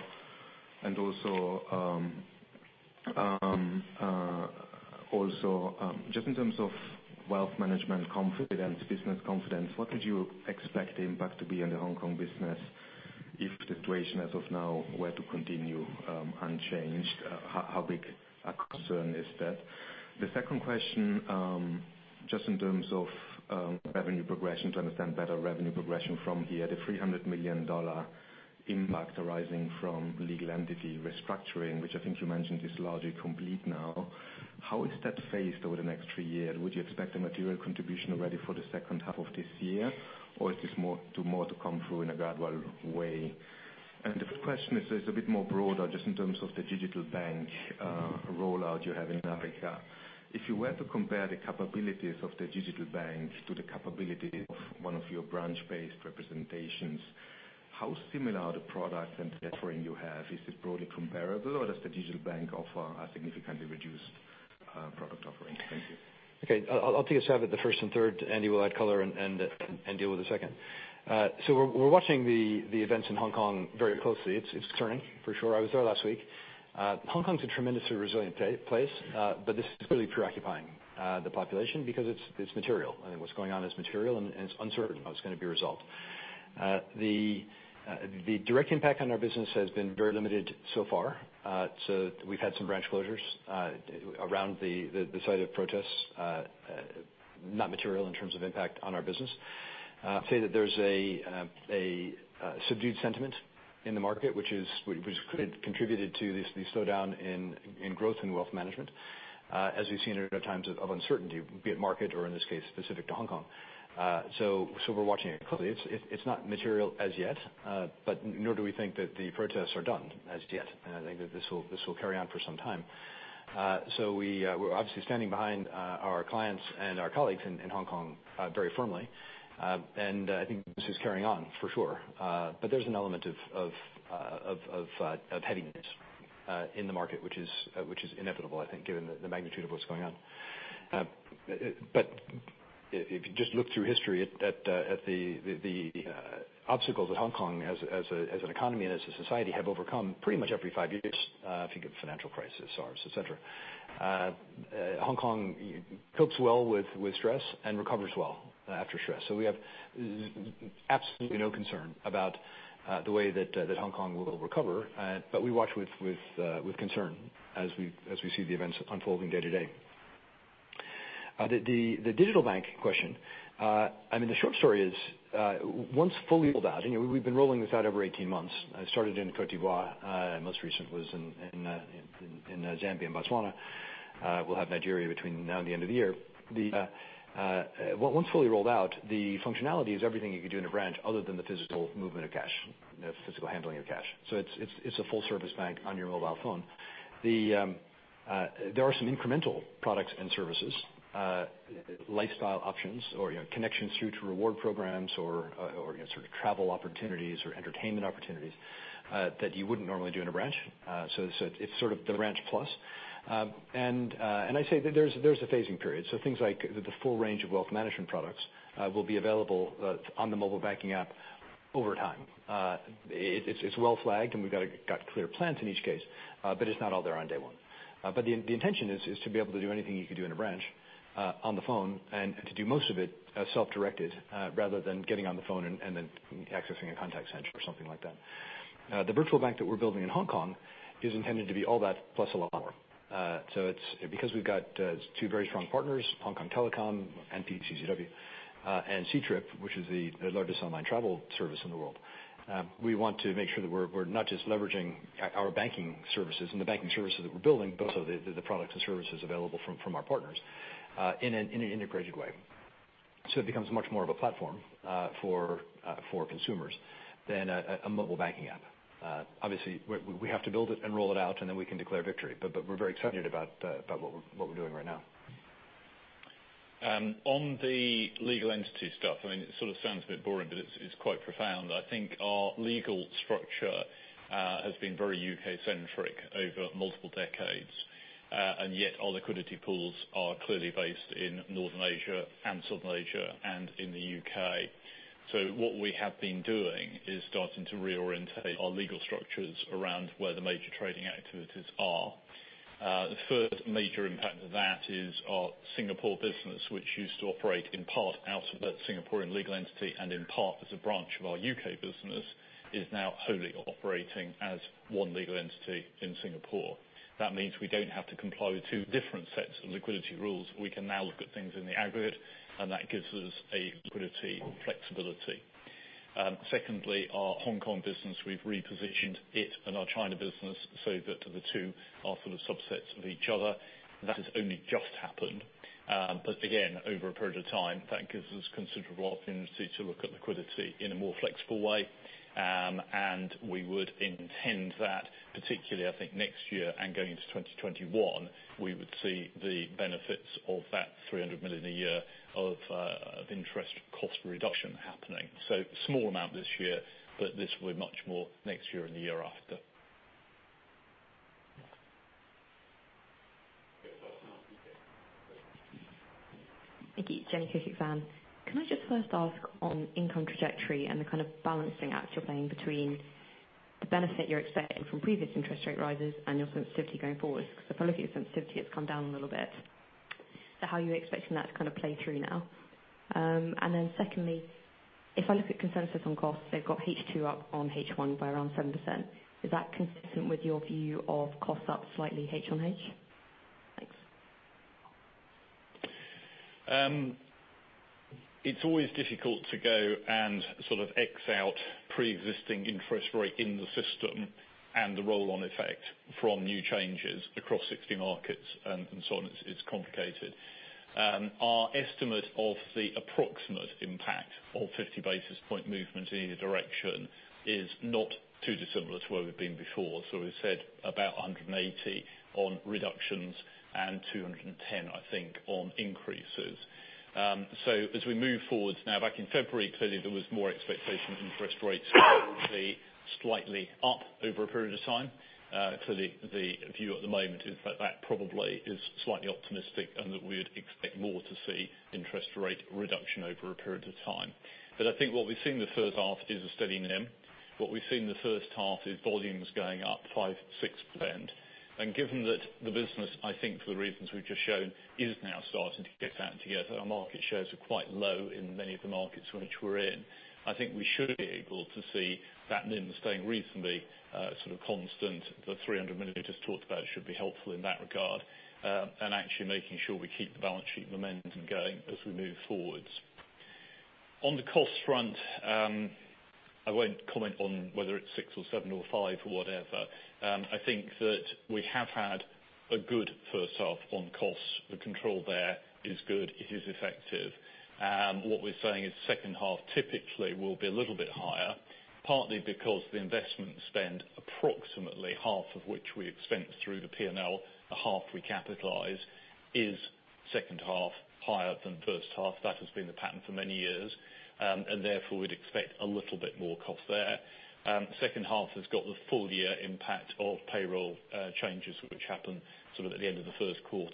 Just in terms of wealth management confidence, business confidence, what did you expect the impact to be on the Hong Kong business if the situation as of now were to continue unchanged? How big a concern is that? The second question, just in terms of revenue progression, to understand better revenue progression from here, the $300 million impact arising from legal entity restructuring, which I think you mentioned is largely complete now. How is that phased over the next three years? Would you expect a material contribution already for the second half of this year, or is this more to come through in a gradual way? The third question is a bit more broader, just in terms of the digital bank rollout you have in Africa. If you were to compare the capabilities of the digital bank to the capability of one of your branch-based representations, how similar are the products and the offering you have? Is it broadly comparable, or does the digital bank offer a significantly reduced product offering? Thank you. Okay. I'll take a stab at the first and third. Andy will add color and deal with the second. We're watching the events in Hong Kong very closely. It's concerning for sure. I was there last week. Hong Kong's a tremendously resilient place, but this is really preoccupying the population because it's material, and what's going on is material, and it's uncertain how it's going to be resolved. The direct impact on our business has been very limited so far. We've had some branch closures around the site of protests, not material in terms of impact on our business. I'd say that there's a subdued sentiment in the market, which could have contributed to the slowdown in growth and wealth management, as we've seen at other times of uncertainty, be it market or, in this case, specific to Hong Kong. We're watching it closely. It's not material as yet. Nor do we think that the protests are done as yet. I think that this will carry on for some time. We're obviously standing behind our clients and our colleagues in Hong Kong very firmly. I think business is carrying on for sure. There's an element of heaviness in the market, which is inevitable, I think, given the magnitude of what's going on. If you just look through history at the obstacles that Hong Kong as an economy and as a society have overcome pretty much every five years, if you think of financial crisis, SARS, et cetera. Hong Kong copes well with stress and recovers well after stress. We have absolutely no concern about the way that Hong Kong will recover. We watch with concern as we see the events unfolding day to day. The digital bank question. The short story is, once fully rolled out, we've been rolling this out over 18 months. It started in Côte d'Ivoire. Most recent was in Zambia and Botswana. We'll have Nigeria between now and the end of the year. Once fully rolled out, the functionality is everything you could do in a branch other than the physical movement of cash, the physical handling of cash. It's a full-service bank on your mobile phone. There are some incremental products and services, lifestyle options or connections through to reward programs or travel opportunities or entertainment opportunities that you wouldn't normally do in a branch. It's the branch plus. I say there's a phasing period. Things like the full range of wealth management products will be available on the mobile banking app over time. It's well flagged, and we've got clear plans in each case, but it's not all there on day one. The intention is to be able to do anything you could do in a branch on the phone and to do most of it self-directed, rather than getting on the phone and then accessing a contact center or something like that. The virtual bank that we're building in Hong Kong is intended to be all that plus a lot more. It's because we've got two very strong partners, Hong Kong Telecom, and PCCW, and Ctrip, which is the largest online travel service in the world. We want to make sure that we're not just leveraging our banking services and the banking services that we're building, but also the products and services available from our partners in an integrated way. It becomes much more of a platform for consumers than a mobile banking app. Obviously, we have to build it and roll it out, and then we can declare victory. We're very excited about what we're doing right now. On the legal entity stuff, it sort of sounds a bit boring, but it's quite profound. I think our legal structure has been very U.K.-centric over multiple decades, and yet our liquidity pools are clearly based in Northern Asia and Southern Asia and in the U.K. What we have been doing is starting to reorientate our legal structures around where the major trading activities are. The first major impact of that is our Singapore business, which used to operate in part out of that Singaporean legal entity and in part as a branch of our U.K. business, is now wholly operating as one legal entity in Singapore. That means we don't have to comply with two different sets of liquidity rules. We can now look at things in the aggregate, and that gives us a liquidity flexibility. Secondly, our Hong Kong business, we've repositioned it and our China business so that the two are sort of subsets of each other. That has only just happened. Again, over a period of time, that gives us considerable opportunity to look at liquidity in a more flexible way. We would intend that particularly, I think next year and going into 2021, we would see the benefits of that $300 million a year of interest cost reduction happening. Small amount this year, but this will be much more next year and the year after. Okay. Thank you. Jenny. Can I just first ask on income trajectory and the kind of balancing act you're playing between the benefit you're expecting from previous interest rate rises and your sensitivity going forwards, because if I look at your sensitivity, it's come down a little bit. How are you expecting that to play through now? Secondly, if I look at consensus on costs, they've got H2 up on H1 by around 7%. Is that consistent with your view of costs up slightly, H on H? Thanks. It's always difficult to go and sort of X out pre-existing interest rate in the system and the roll-on effect from new changes across 60 markets and so on. It's complicated. Our estimate of the approximate impact of 50 basis point movement in either direction is not too dissimilar to where we've been before. We've said about 180 on reductions and 210, I think, on increases. As we move forwards now, back in February, clearly there was more expectation interest rates would be slightly up over a period of time. Clearly, the view at the moment is that that probably is slightly optimistic and that we would expect more to see interest rate reduction over a period of time. I think what we've seen the first half is a steady NIM. What we've seen the first half is volumes going up 5%-6%. Given that the business, I think for the reasons we've just shown, is now starting to get that together. Our market shares are quite low in many of the markets which we're in. I think we should be able to see that NIM staying reasonably constant. The $300 million we just talked about should be helpful in that regard, and actually making sure we keep the balance sheet momentum going as we move forwards. On the cost front, I won't comment on whether it's six or seven or five or whatever. I think that we have had a good first half on costs. The control there is good, it is effective. What we're saying is second half typically will be a little bit higher, partly because the investment spend, approximately half of which we expense through the P&L, the half we capitalize, is second half higher than first half. That has been the pattern for many years. Therefore, we'd expect a little bit more cost there. Second half has got the full year impact of payroll changes which happen at the end of the first quarter.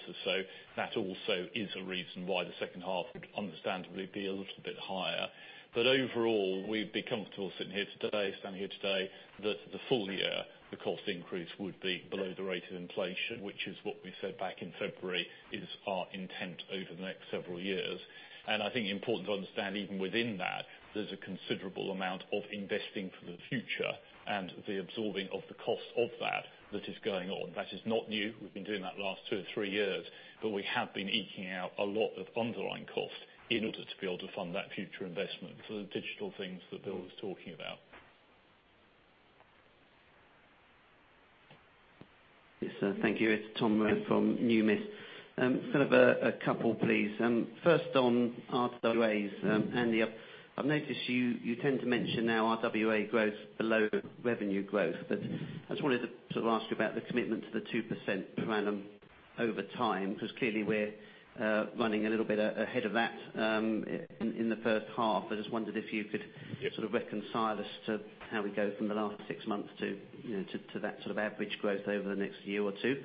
That also is a reason why the second half would understandably be a little bit higher. Overall, we'd be comfortable standing here today that the full year, the cost increase would be below the rate of inflation, which is what we said back in February is our intent over the next several years. I think important to understand, even within that, there's a considerable amount of investing for the future and the absorbing of the cost of that that is going on. That is not new. We've been doing that the last two or three years, but we have been eking out a lot of underlying cost in order to be able to fund that future investment for the digital things that Bill was talking about. Yes, thank you. It's Tom Rayner from Numis. Sort of a couple, please. First on RWAs. Andy, I've noticed you tend to mention now RWA growth below revenue growth. I just wanted to ask you about the commitment to the 2% per annum over time, because clearly we're running a little bit ahead of that in the first half. I just wondered if you could- Yeah sort of reconcile us to how we go from the last six months to that sort of average growth over the next year or two.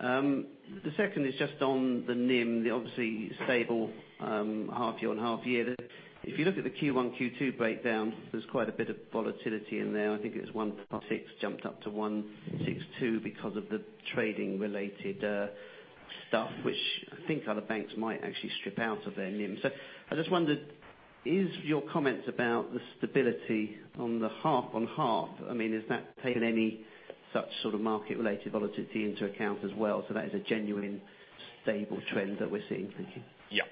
The second is just on the NIM, obviously stable half-year on half-year. If you look at the Q1, Q2 breakdown, there's quite a bit of volatility in there. I think it was 1.6 jumped up to 1.62 because of the trading related stuff, which I think other banks might actually strip out of their NIM. I just wondered, is your comment about the stability on the half-on-half, is that taking any such sort of market related volatility into account as well? That is a genuinely stable trend that we're seeing? Thank you. Yeah.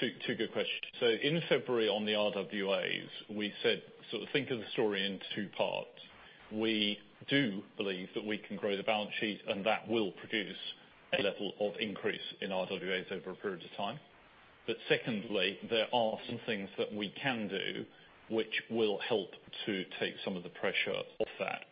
Two good questions. In February on the RWAs, we said sort of think of the story in two parts. We do believe that we can grow the balance sheet, and that will produce a level of increase in RWAs over a period of time. Secondly, there are some things that we can do which will help to take some of the pressure off that.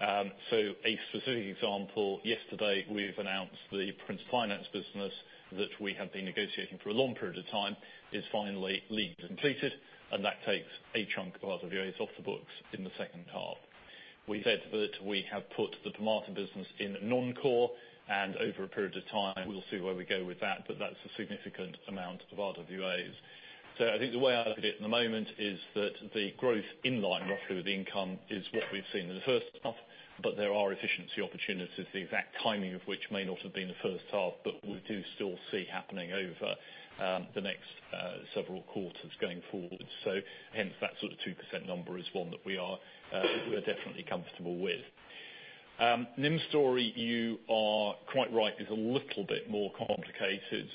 A specific example, yesterday, we've announced the Principal Finance business that we have been negotiating for a long period of time is finally legally completed, and that takes a chunk of RWAs off the books in the second half. We said that we have put the Permata business in non-core, and over a period of time, we'll see where we go with that, but that's a significant amount of RWAs. I think the way I look at it at the moment is that the growth in line roughly with income is what we've seen in the first half, but there are efficiency opportunities, the exact timing of which may not have been the first half, but we do still see happening over the next several quarters going forward. Hence that sort of 2% number is one that we are definitely comfortable with. NIM story, you are quite right, is a little bit more complicated.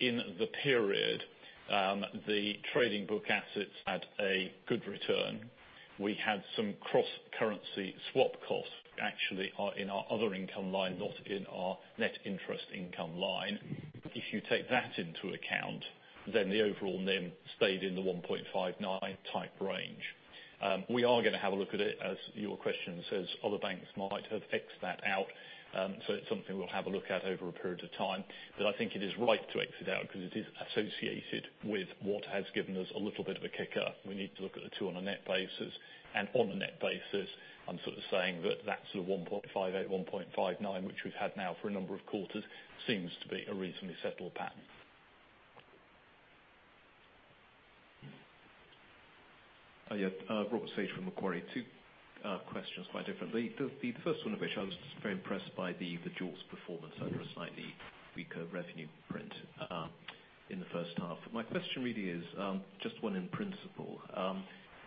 In the period, the trading book assets had a good return. We had some cross-currency swap costs actually in our other income line, not in our net interest income line. If you take that into account, then the overall NIM stayed in the 1.59 type range. We are going to have a look at it, as your question says, other banks might have X'd that out. It's something we'll have a look at over a period of time. I think it is right to X it out because it is associated with what has given us a little bit of a kicker. We need to look at the two on a net basis. On a net basis, I'm sort of saying that that sort of 1.58, 1.59, which we've had now for a number of quarters, seems to be a reasonably settled pattern. Yeah. Robert Sage from Macquarie. Two questions, quite different. The first one of which I was just very impressed by the jaws performance under a slightly weaker revenue print in the first half. My question really is just one in principle,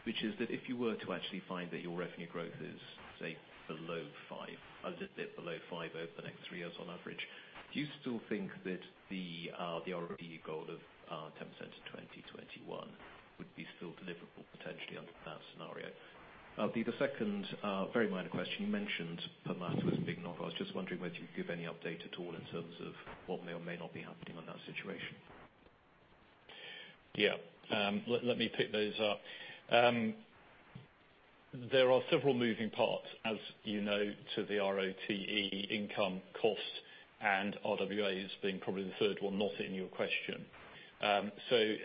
which is that if you were to actually find that your revenue growth is, say, below five, a little bit below five over the next three years on average, do you still think that the ROE goal of 10% in 2021 would be still deliverable potentially under that scenario? The second very minor question, you mentioned Permata as a big knock. I was just wondering whether you could give any update at all in terms of what may or may not be happening on that situation. Yeah. Let me pick those up. There are several moving parts, as you know, to the ROTE income cost, and RWA is being probably the third one not in your question. I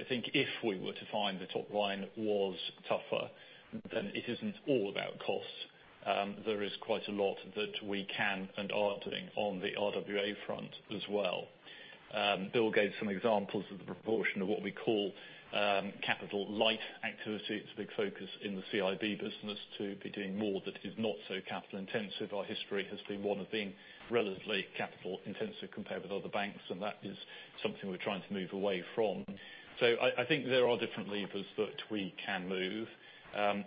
think if we were to find the top line was tougher, then it isn't all about cost. There is quite a lot that we can and are doing on the RWA front as well. Bill gave some examples of the proportion of what we call capital light activity. It's a big focus in the CIB business to be doing more that is not so capital intensive. Our history has been one of being relatively capital intensive compared with other banks, and that is something we're trying to move away from. I think there are different levers that we can move.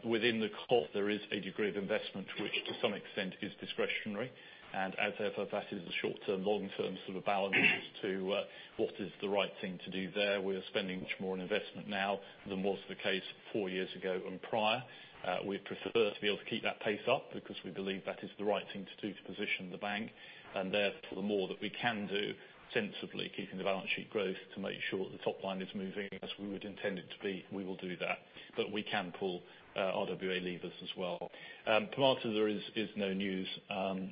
Within the cost, there is a degree of investment, which to some extent is discretionary. As ever, that is a short-term, long-term sort of balance as to what is the right thing to do there. We are spending much more on investment now than was the case four years ago and prior. We'd prefer to be able to keep that pace up because we believe that is the right thing to do to position the bank. Therefore, the more that we can do sensibly keeping the balance sheet growth to make sure that the top line is moving as we would intend it to be, we will do that. We can pull RWA levers as well. Permata, there is no news.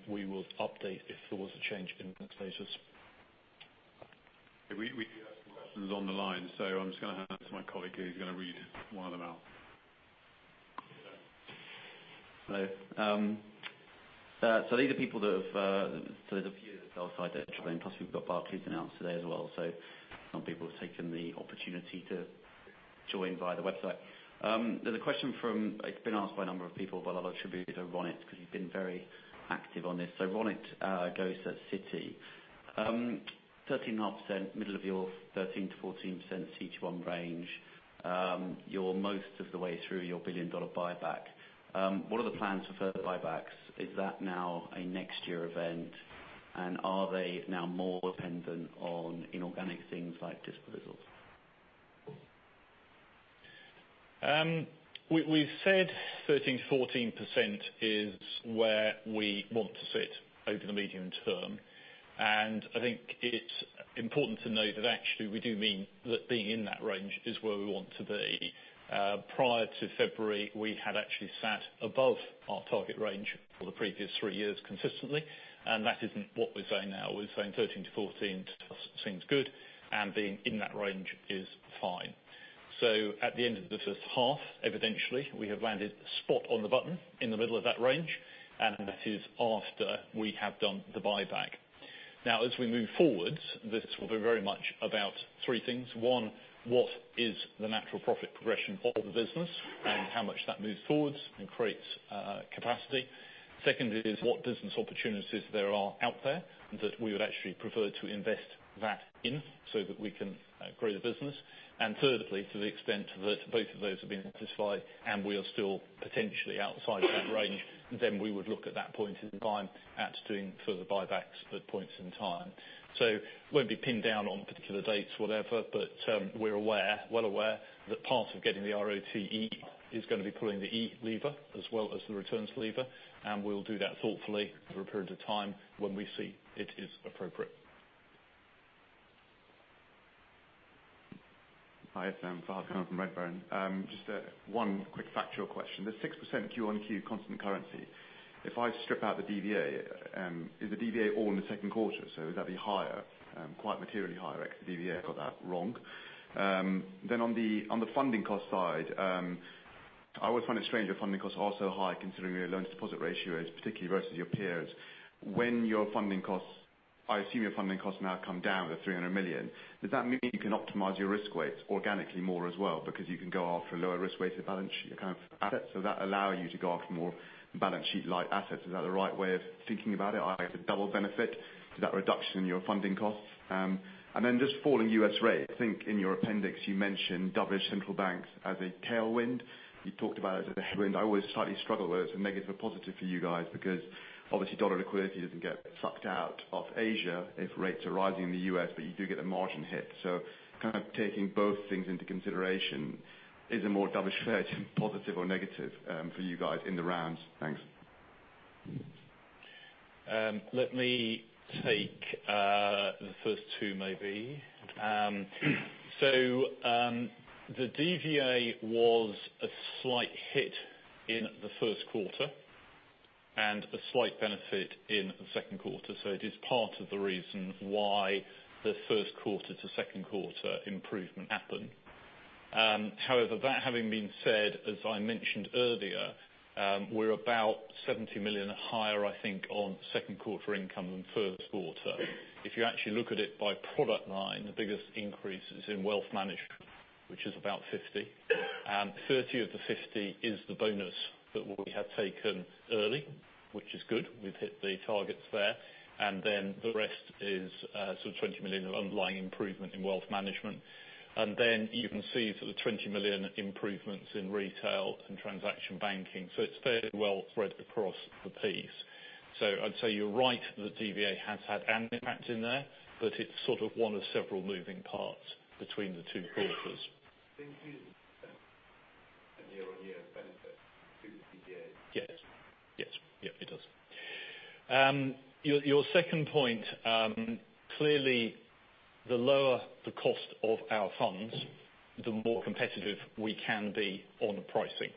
We will update if there was a change in the next stages. We have some questions on the line, so I'm just going to hand it to my colleague, who's going to read one of them out. Hello. These are people. There's a few that sell-side that are joining, plus we've got Barclays announced today as well. Some people have taken the opportunity to join via the website. There's a question from, it's been asked by a number of people. I'll attribute it to Ronit because he's been very active on this. Ronit Ghose at Citi. 13.5%, middle of your 13%-14% CET1 range. You're most of the way through your $1 billion buyback. What are the plans for further buybacks? Is that now a next year event? Are they now more dependent on inorganic things like disposals? We've said 13%-14% is where we want to sit over the medium term. I think it's important to know that actually we do mean that being in that range is where we want to be. Prior to February, we had actually sat above our target range for the previous three years consistently. That isn't what we're saying now. We're saying 13%-14% to us seems good, and being in that range is fine. At the end of the first half, evidentially, we have landed spot on the button in the middle of that range, and that is after we have done the buyback. As we move forward, this will be very much about three things. One, what is the natural profit progression of the business and how much that moves forwards and creates capacity? Second is what business opportunities there are out there that we would actually prefer to invest that in so that we can grow the business. Thirdly, to the extent that both of those have been satisfied and we are still potentially outside of that range, then we would look at that point in time at doing further buybacks at points in time. Won't be pinned down on particular dates, whatever, but we're well aware that part of getting the ROTE is going to be pulling the E lever as well as the returns lever, and we'll do that thoughtfully over a period of time when we see it is appropriate. Hi, it's Fahed Kunwar from Redburn. Just one quick factual question. The 6% Q on Q constant currency. If I strip out the DVA, is the DVA all in the second quarter? Would that be higher, quite materially higher if the DVA got that wrong? On the funding cost side, I would find it strange if funding costs are so high considering your loans deposit ratio is particularly versus your peers. I assume your funding costs now come down to $300 million. Does that mean you can optimize your risk weights organically more as well because you can go after lower risk weighted balance sheet kind of assets? Does that allow you to go after more balance sheet-like assets? Is that the right way of thinking about it? I have the double benefit to that reduction in your funding costs. Just falling U.S. rates. I think in your appendix, you mentioned dovish central banks as a tailwind. You talked about it as a headwind. I always slightly struggle whether it's a negative or positive for you guys because obviously dollar liquidity doesn't get sucked out of Asia if rates are rising in the U.S., but you do get a margin hit. Kind of taking both things into consideration, is a more dovish Fed positive or negative for you guys in the round? Thanks. Let me take the first two maybe. The DVA was a slight hit in the first quarter and a slight benefit in the second quarter. It is part of the reason why the first quarter to second quarter improvement happened. However, that having been said, as I mentioned earlier, we're about $70 million higher, I think, on second quarter income than first quarter. If you actually look at it by product line, the biggest increase is in wealth management. Which is about $50 million. 30 of the $50 million is the bonus that we have taken early, which is good. We've hit the targets there. The rest is sort of $20 million of underlying improvement in wealth management. You can see the $20 million improvements in retail and transaction banking. It's fairly well spread across the piece. I'd say you're right that DVA has had an impact in there, but it's sort of one of several moving parts between the two quarters. Including the year-on-year benefit to the CGA. Yes. It does. Your second point, clearly the lower the cost of our funds, the more competitive we can be on the pricing.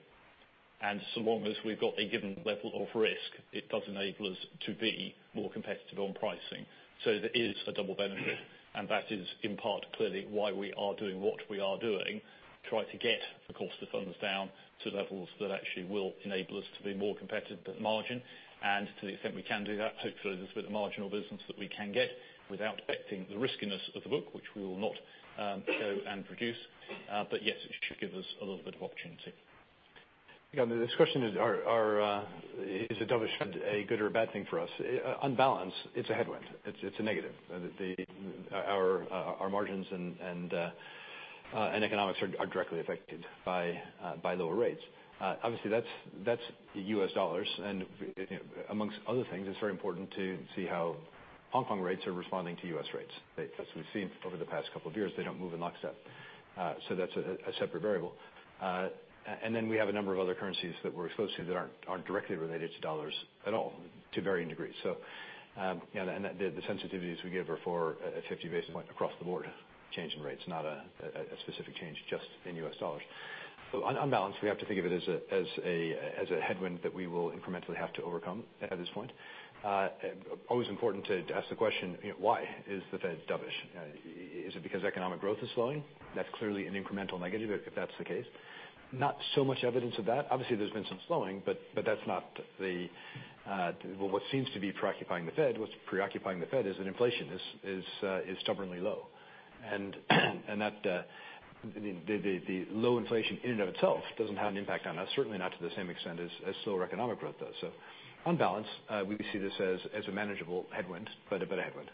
So long as we've got a given level of risk, it does enable us to be more competitive on pricing. There is a double benefit, and that is in part clearly why we are doing what we are doing, try to get the cost of funds down to levels that actually will enable us to be more competitive at margin. To the extent we can do that, hopefully there's a bit of marginal business that we can get without affecting the riskiness of the book, which we will not show and produce. Yes, it should give us a little bit of opportunity. Yeah, this question is a dovish Fed a good or a bad thing for us? On balance, it's a headwind. It's a negative. Our margins and economics are directly affected by lower rates. Obviously, that's the U.S. dollars, and amongst other things, it's very important to see how Hong Kong rates are responding to U.S. rates. As we've seen over the past couple of years, they don't move in lockstep. That's a separate variable. We have a number of other currencies that we're exposed to that aren't directly related to dollars at all to varying degrees. The sensitivities we give are for a 50 basis point across the board change in rates, not a specific change just in U.S. dollars. On balance, we have to think of it as a headwind that we will incrementally have to overcome at this point. Always important to ask the question, why is the Fed dovish? Is it because economic growth is slowing? That's clearly an incremental negative if that's the case. Not so much evidence of that. Obviously, there's been some slowing, what's preoccupying the Fed is that inflation is stubbornly low. The low inflation in and of itself doesn't have an impact on us, certainly not to the same extent as slower economic growth does. On balance, we see this as a manageable headwind, but a headwind.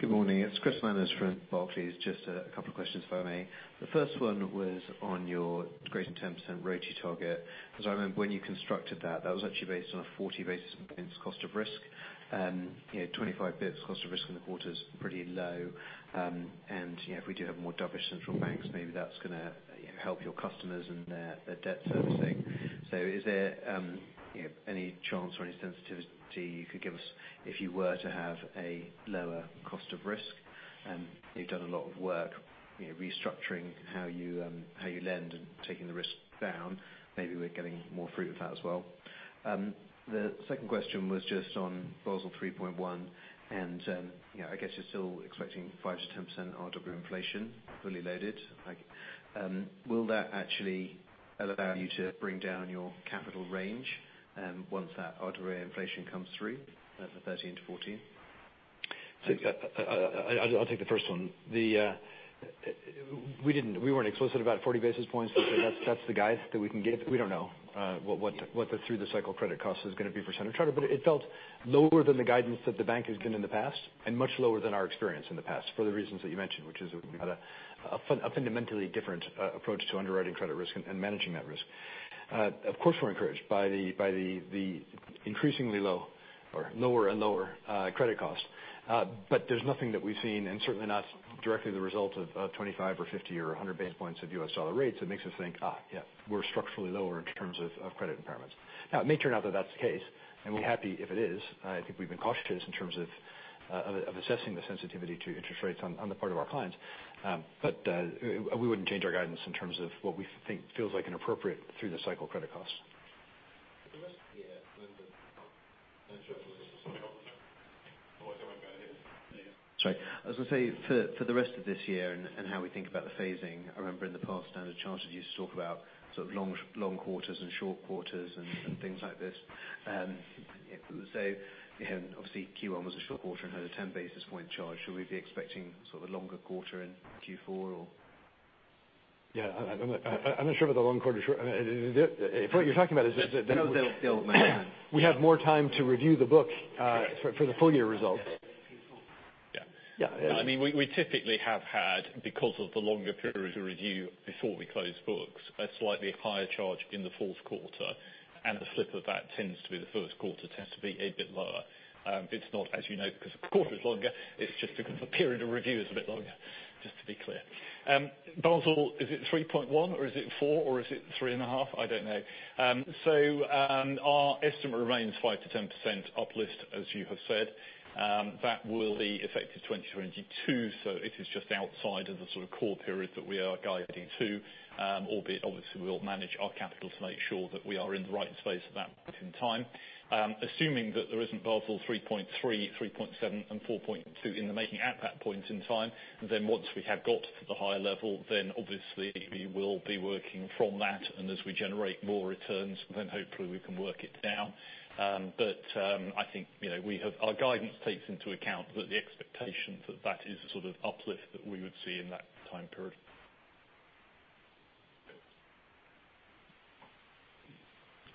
Good morning. It's Chris Manners from Barclays. Just a couple of questions if I may. The first one was on your greater than 10% ROTCE target. As I remember, when you constructed that was actually based on a 40 basis points cost of risk. 25 basis points cost of risk in the quarter's pretty low. If we do have more dovish central banks, maybe that's going to help your customers and their debt servicing. Is there any chance or any sensitivity you could give us if you were to have a lower cost of risk? You've done a lot of work restructuring how you lend and taking the risk down. Maybe we're getting more fruit with that as well. The second question was just on Basel 3.1. I guess you're still expecting 5%-10% RWA inflation, fully loaded. Will that actually allow you to bring down your capital range once that RWA inflation comes through for 13%-14%? I'll take the first one. We weren't explicit about 40 basis points. That's the guide that we can give. We don't know what the through-the-cycle credit cost is going to be for Standard Chartered. It felt lower than the guidance that the bank has given in the past and much lower than our experience in the past for the reasons that you mentioned, which is we've had a fundamentally different approach to underwriting credit risk and managing that risk. Of course, we're encouraged by the increasingly lower and lower credit cost. There's nothing that we've seen, and certainly not directly the result of a 25 or 50 or 100 basis points of U.S. dollar rates that makes us think, yeah, we're structurally lower in terms of credit impairments. It may turn out that that's the case, and we're happy if it is. I think we've been cautious in terms of assessing the sensitivity to interest rates on the part of our clients. But we wouldn't change our guidance in terms of what we think feels like an appropriate through-the-cycle credit cost. For the rest of the year. No, sure. Sorry. I was going to say for the rest of this year and how we think about the phasing, I remember in the past, Standard Chartered used to talk about long quarters and short quarters and things like this. Obviously Q1 was a short quarter and had a 10 basis point charge. Should we be expecting sort of a longer quarter in Q4 or? Yeah, I'm not sure about the long quarter, If what you're talking about is that. I know they'll have more time. we have more time to review the book for the full year results. Yeah. Yeah. We typically have had, because of the longer period of review before we close books, a slightly higher charge in the fourth quarter, and the flip of that tends to be the first quarter tends to be a bit lower. It's not as you know, because the quarter is longer, it's just because the period of review is a bit longer, just to be clear. Basel, is it 3.1 or is it 4 or is it 3 and a half? I don't know. Our estimate remains 5%-10% uplift, as you have said. That will be effective 2022, so it is just outside of the sort of core period that we are guiding to. Albeit, obviously, we'll manage our capital to make sure that we are in the right space at that point in time. Assuming that there isn't Basel 3.3.7, and 4.2 in the making at that point in time, once we have got the higher level, obviously we will be working from that. As we generate more returns, hopefully we can work it down. I think our guidance takes into account that the expectation that is the sort of uplift that we would see in that time period.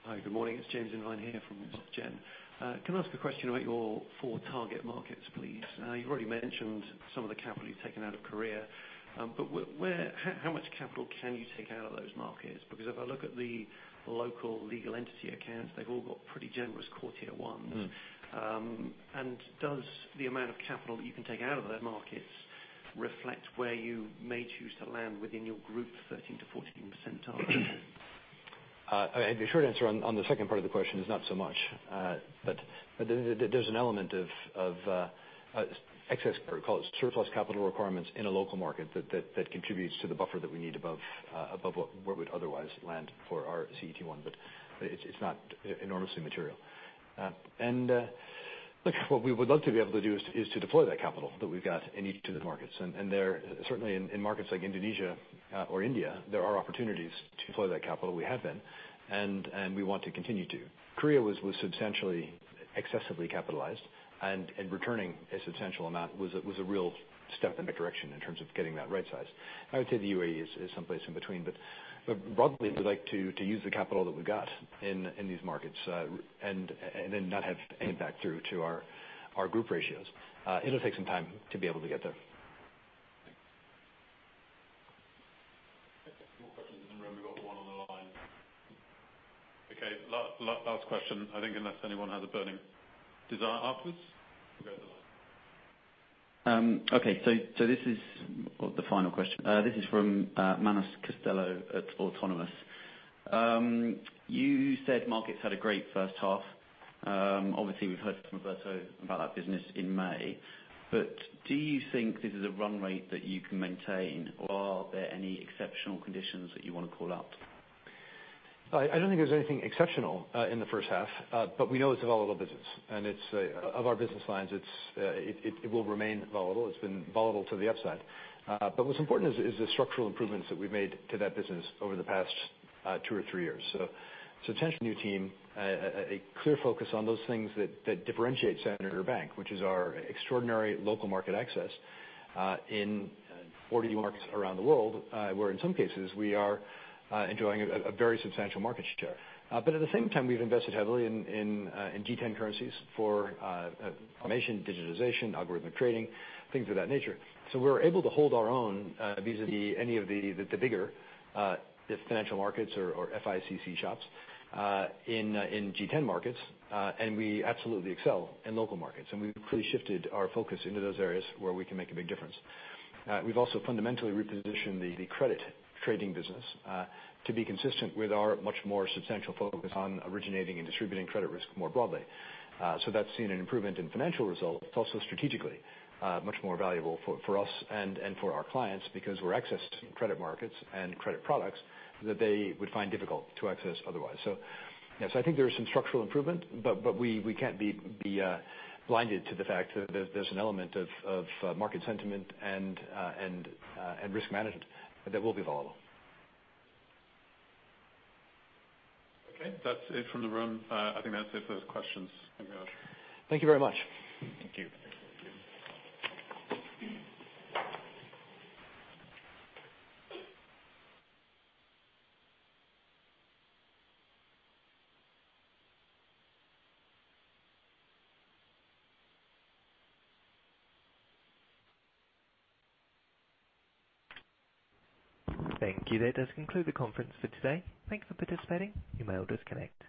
Hi, good morning. It's James Invine here from SocGen. Can I ask a question about your four target markets, please? You've already mentioned some of the capital you've taken out of Korea. How much capital can you take out of those markets? If I look at the local legal entity accounts, they've all got pretty generous core Tier 1s. Does the amount of capital that you can take out of their markets reflect where you may choose to land within your Group 13%-14% target? The short answer on the second part of the question is not so much. There's an element of excess, call it surplus capital requirements in a local market that contributes to the buffer that we need above what would otherwise land for our CET1. It's not enormously material. Look, what we would love to be able to do is to deploy that capital that we've got in each of the markets. There, certainly in markets like Indonesia or India, there are opportunities to deploy that capital. We have been, and we want to continue to. Korea was substantially excessively capitalized, and returning a substantial amount was a real step in the direction in terms of getting that right size. I would say the UAE is someplace in between, but broadly, we'd like to use the capital that we've got in these markets, and then not have any back through to our group ratios. It'll take some time to be able to get there. Thanks. Okay. More questions in the room. We've got one on the line. Okay, last question, I think unless anyone has a burning desire afterwards. We'll go to the line. Okay, this is the final question. This is from Manus Costello at Autonomous. You said markets had a great first half. Obviously, we've heard from Berto about that business in May. Do you think this is a run rate that you can maintain, or are there any exceptional conditions that you want to call out? I don't think there's anything exceptional in the first half. We know it's a volatile business, and of our business lines, it will remain volatile. It's been volatile to the upside. What's important is the structural improvements that we've made to that business over the past two or three years. A substantially new team, a clear focus on those things that differentiate Standard Chartered, which is our extraordinary local market access, in 40 markets around the world, where in some cases we are enjoying a very substantial market share. At the same time, we've invested heavily in G10 currencies for automation, digitization, algorithmic trading, things of that nature. We're able to hold our own vis-a-vis any of the bigger financial markets or FICC shops in G10 markets. We absolutely excel in local markets, and we've really shifted our focus into those areas where we can make a big difference. We've also fundamentally repositioned the credit trading business, to be consistent with our much more substantial focus on originating and distributing credit risk more broadly. That's seen an improvement in financial results. It's also strategically much more valuable for us and for our clients because we're accessed in credit markets and credit products that they would find difficult to access otherwise. I think there is some structural improvement, but we can't be blinded to the fact that there's an element of market sentiment and risk management that will be volatile. Okay, that's it from the room. I think that's it for those questions. Thank you, Ash. Thank you very much. Thank you. Thank you. Thank you. That does conclude the conference for today. Thank you for participating. You may all disconnect.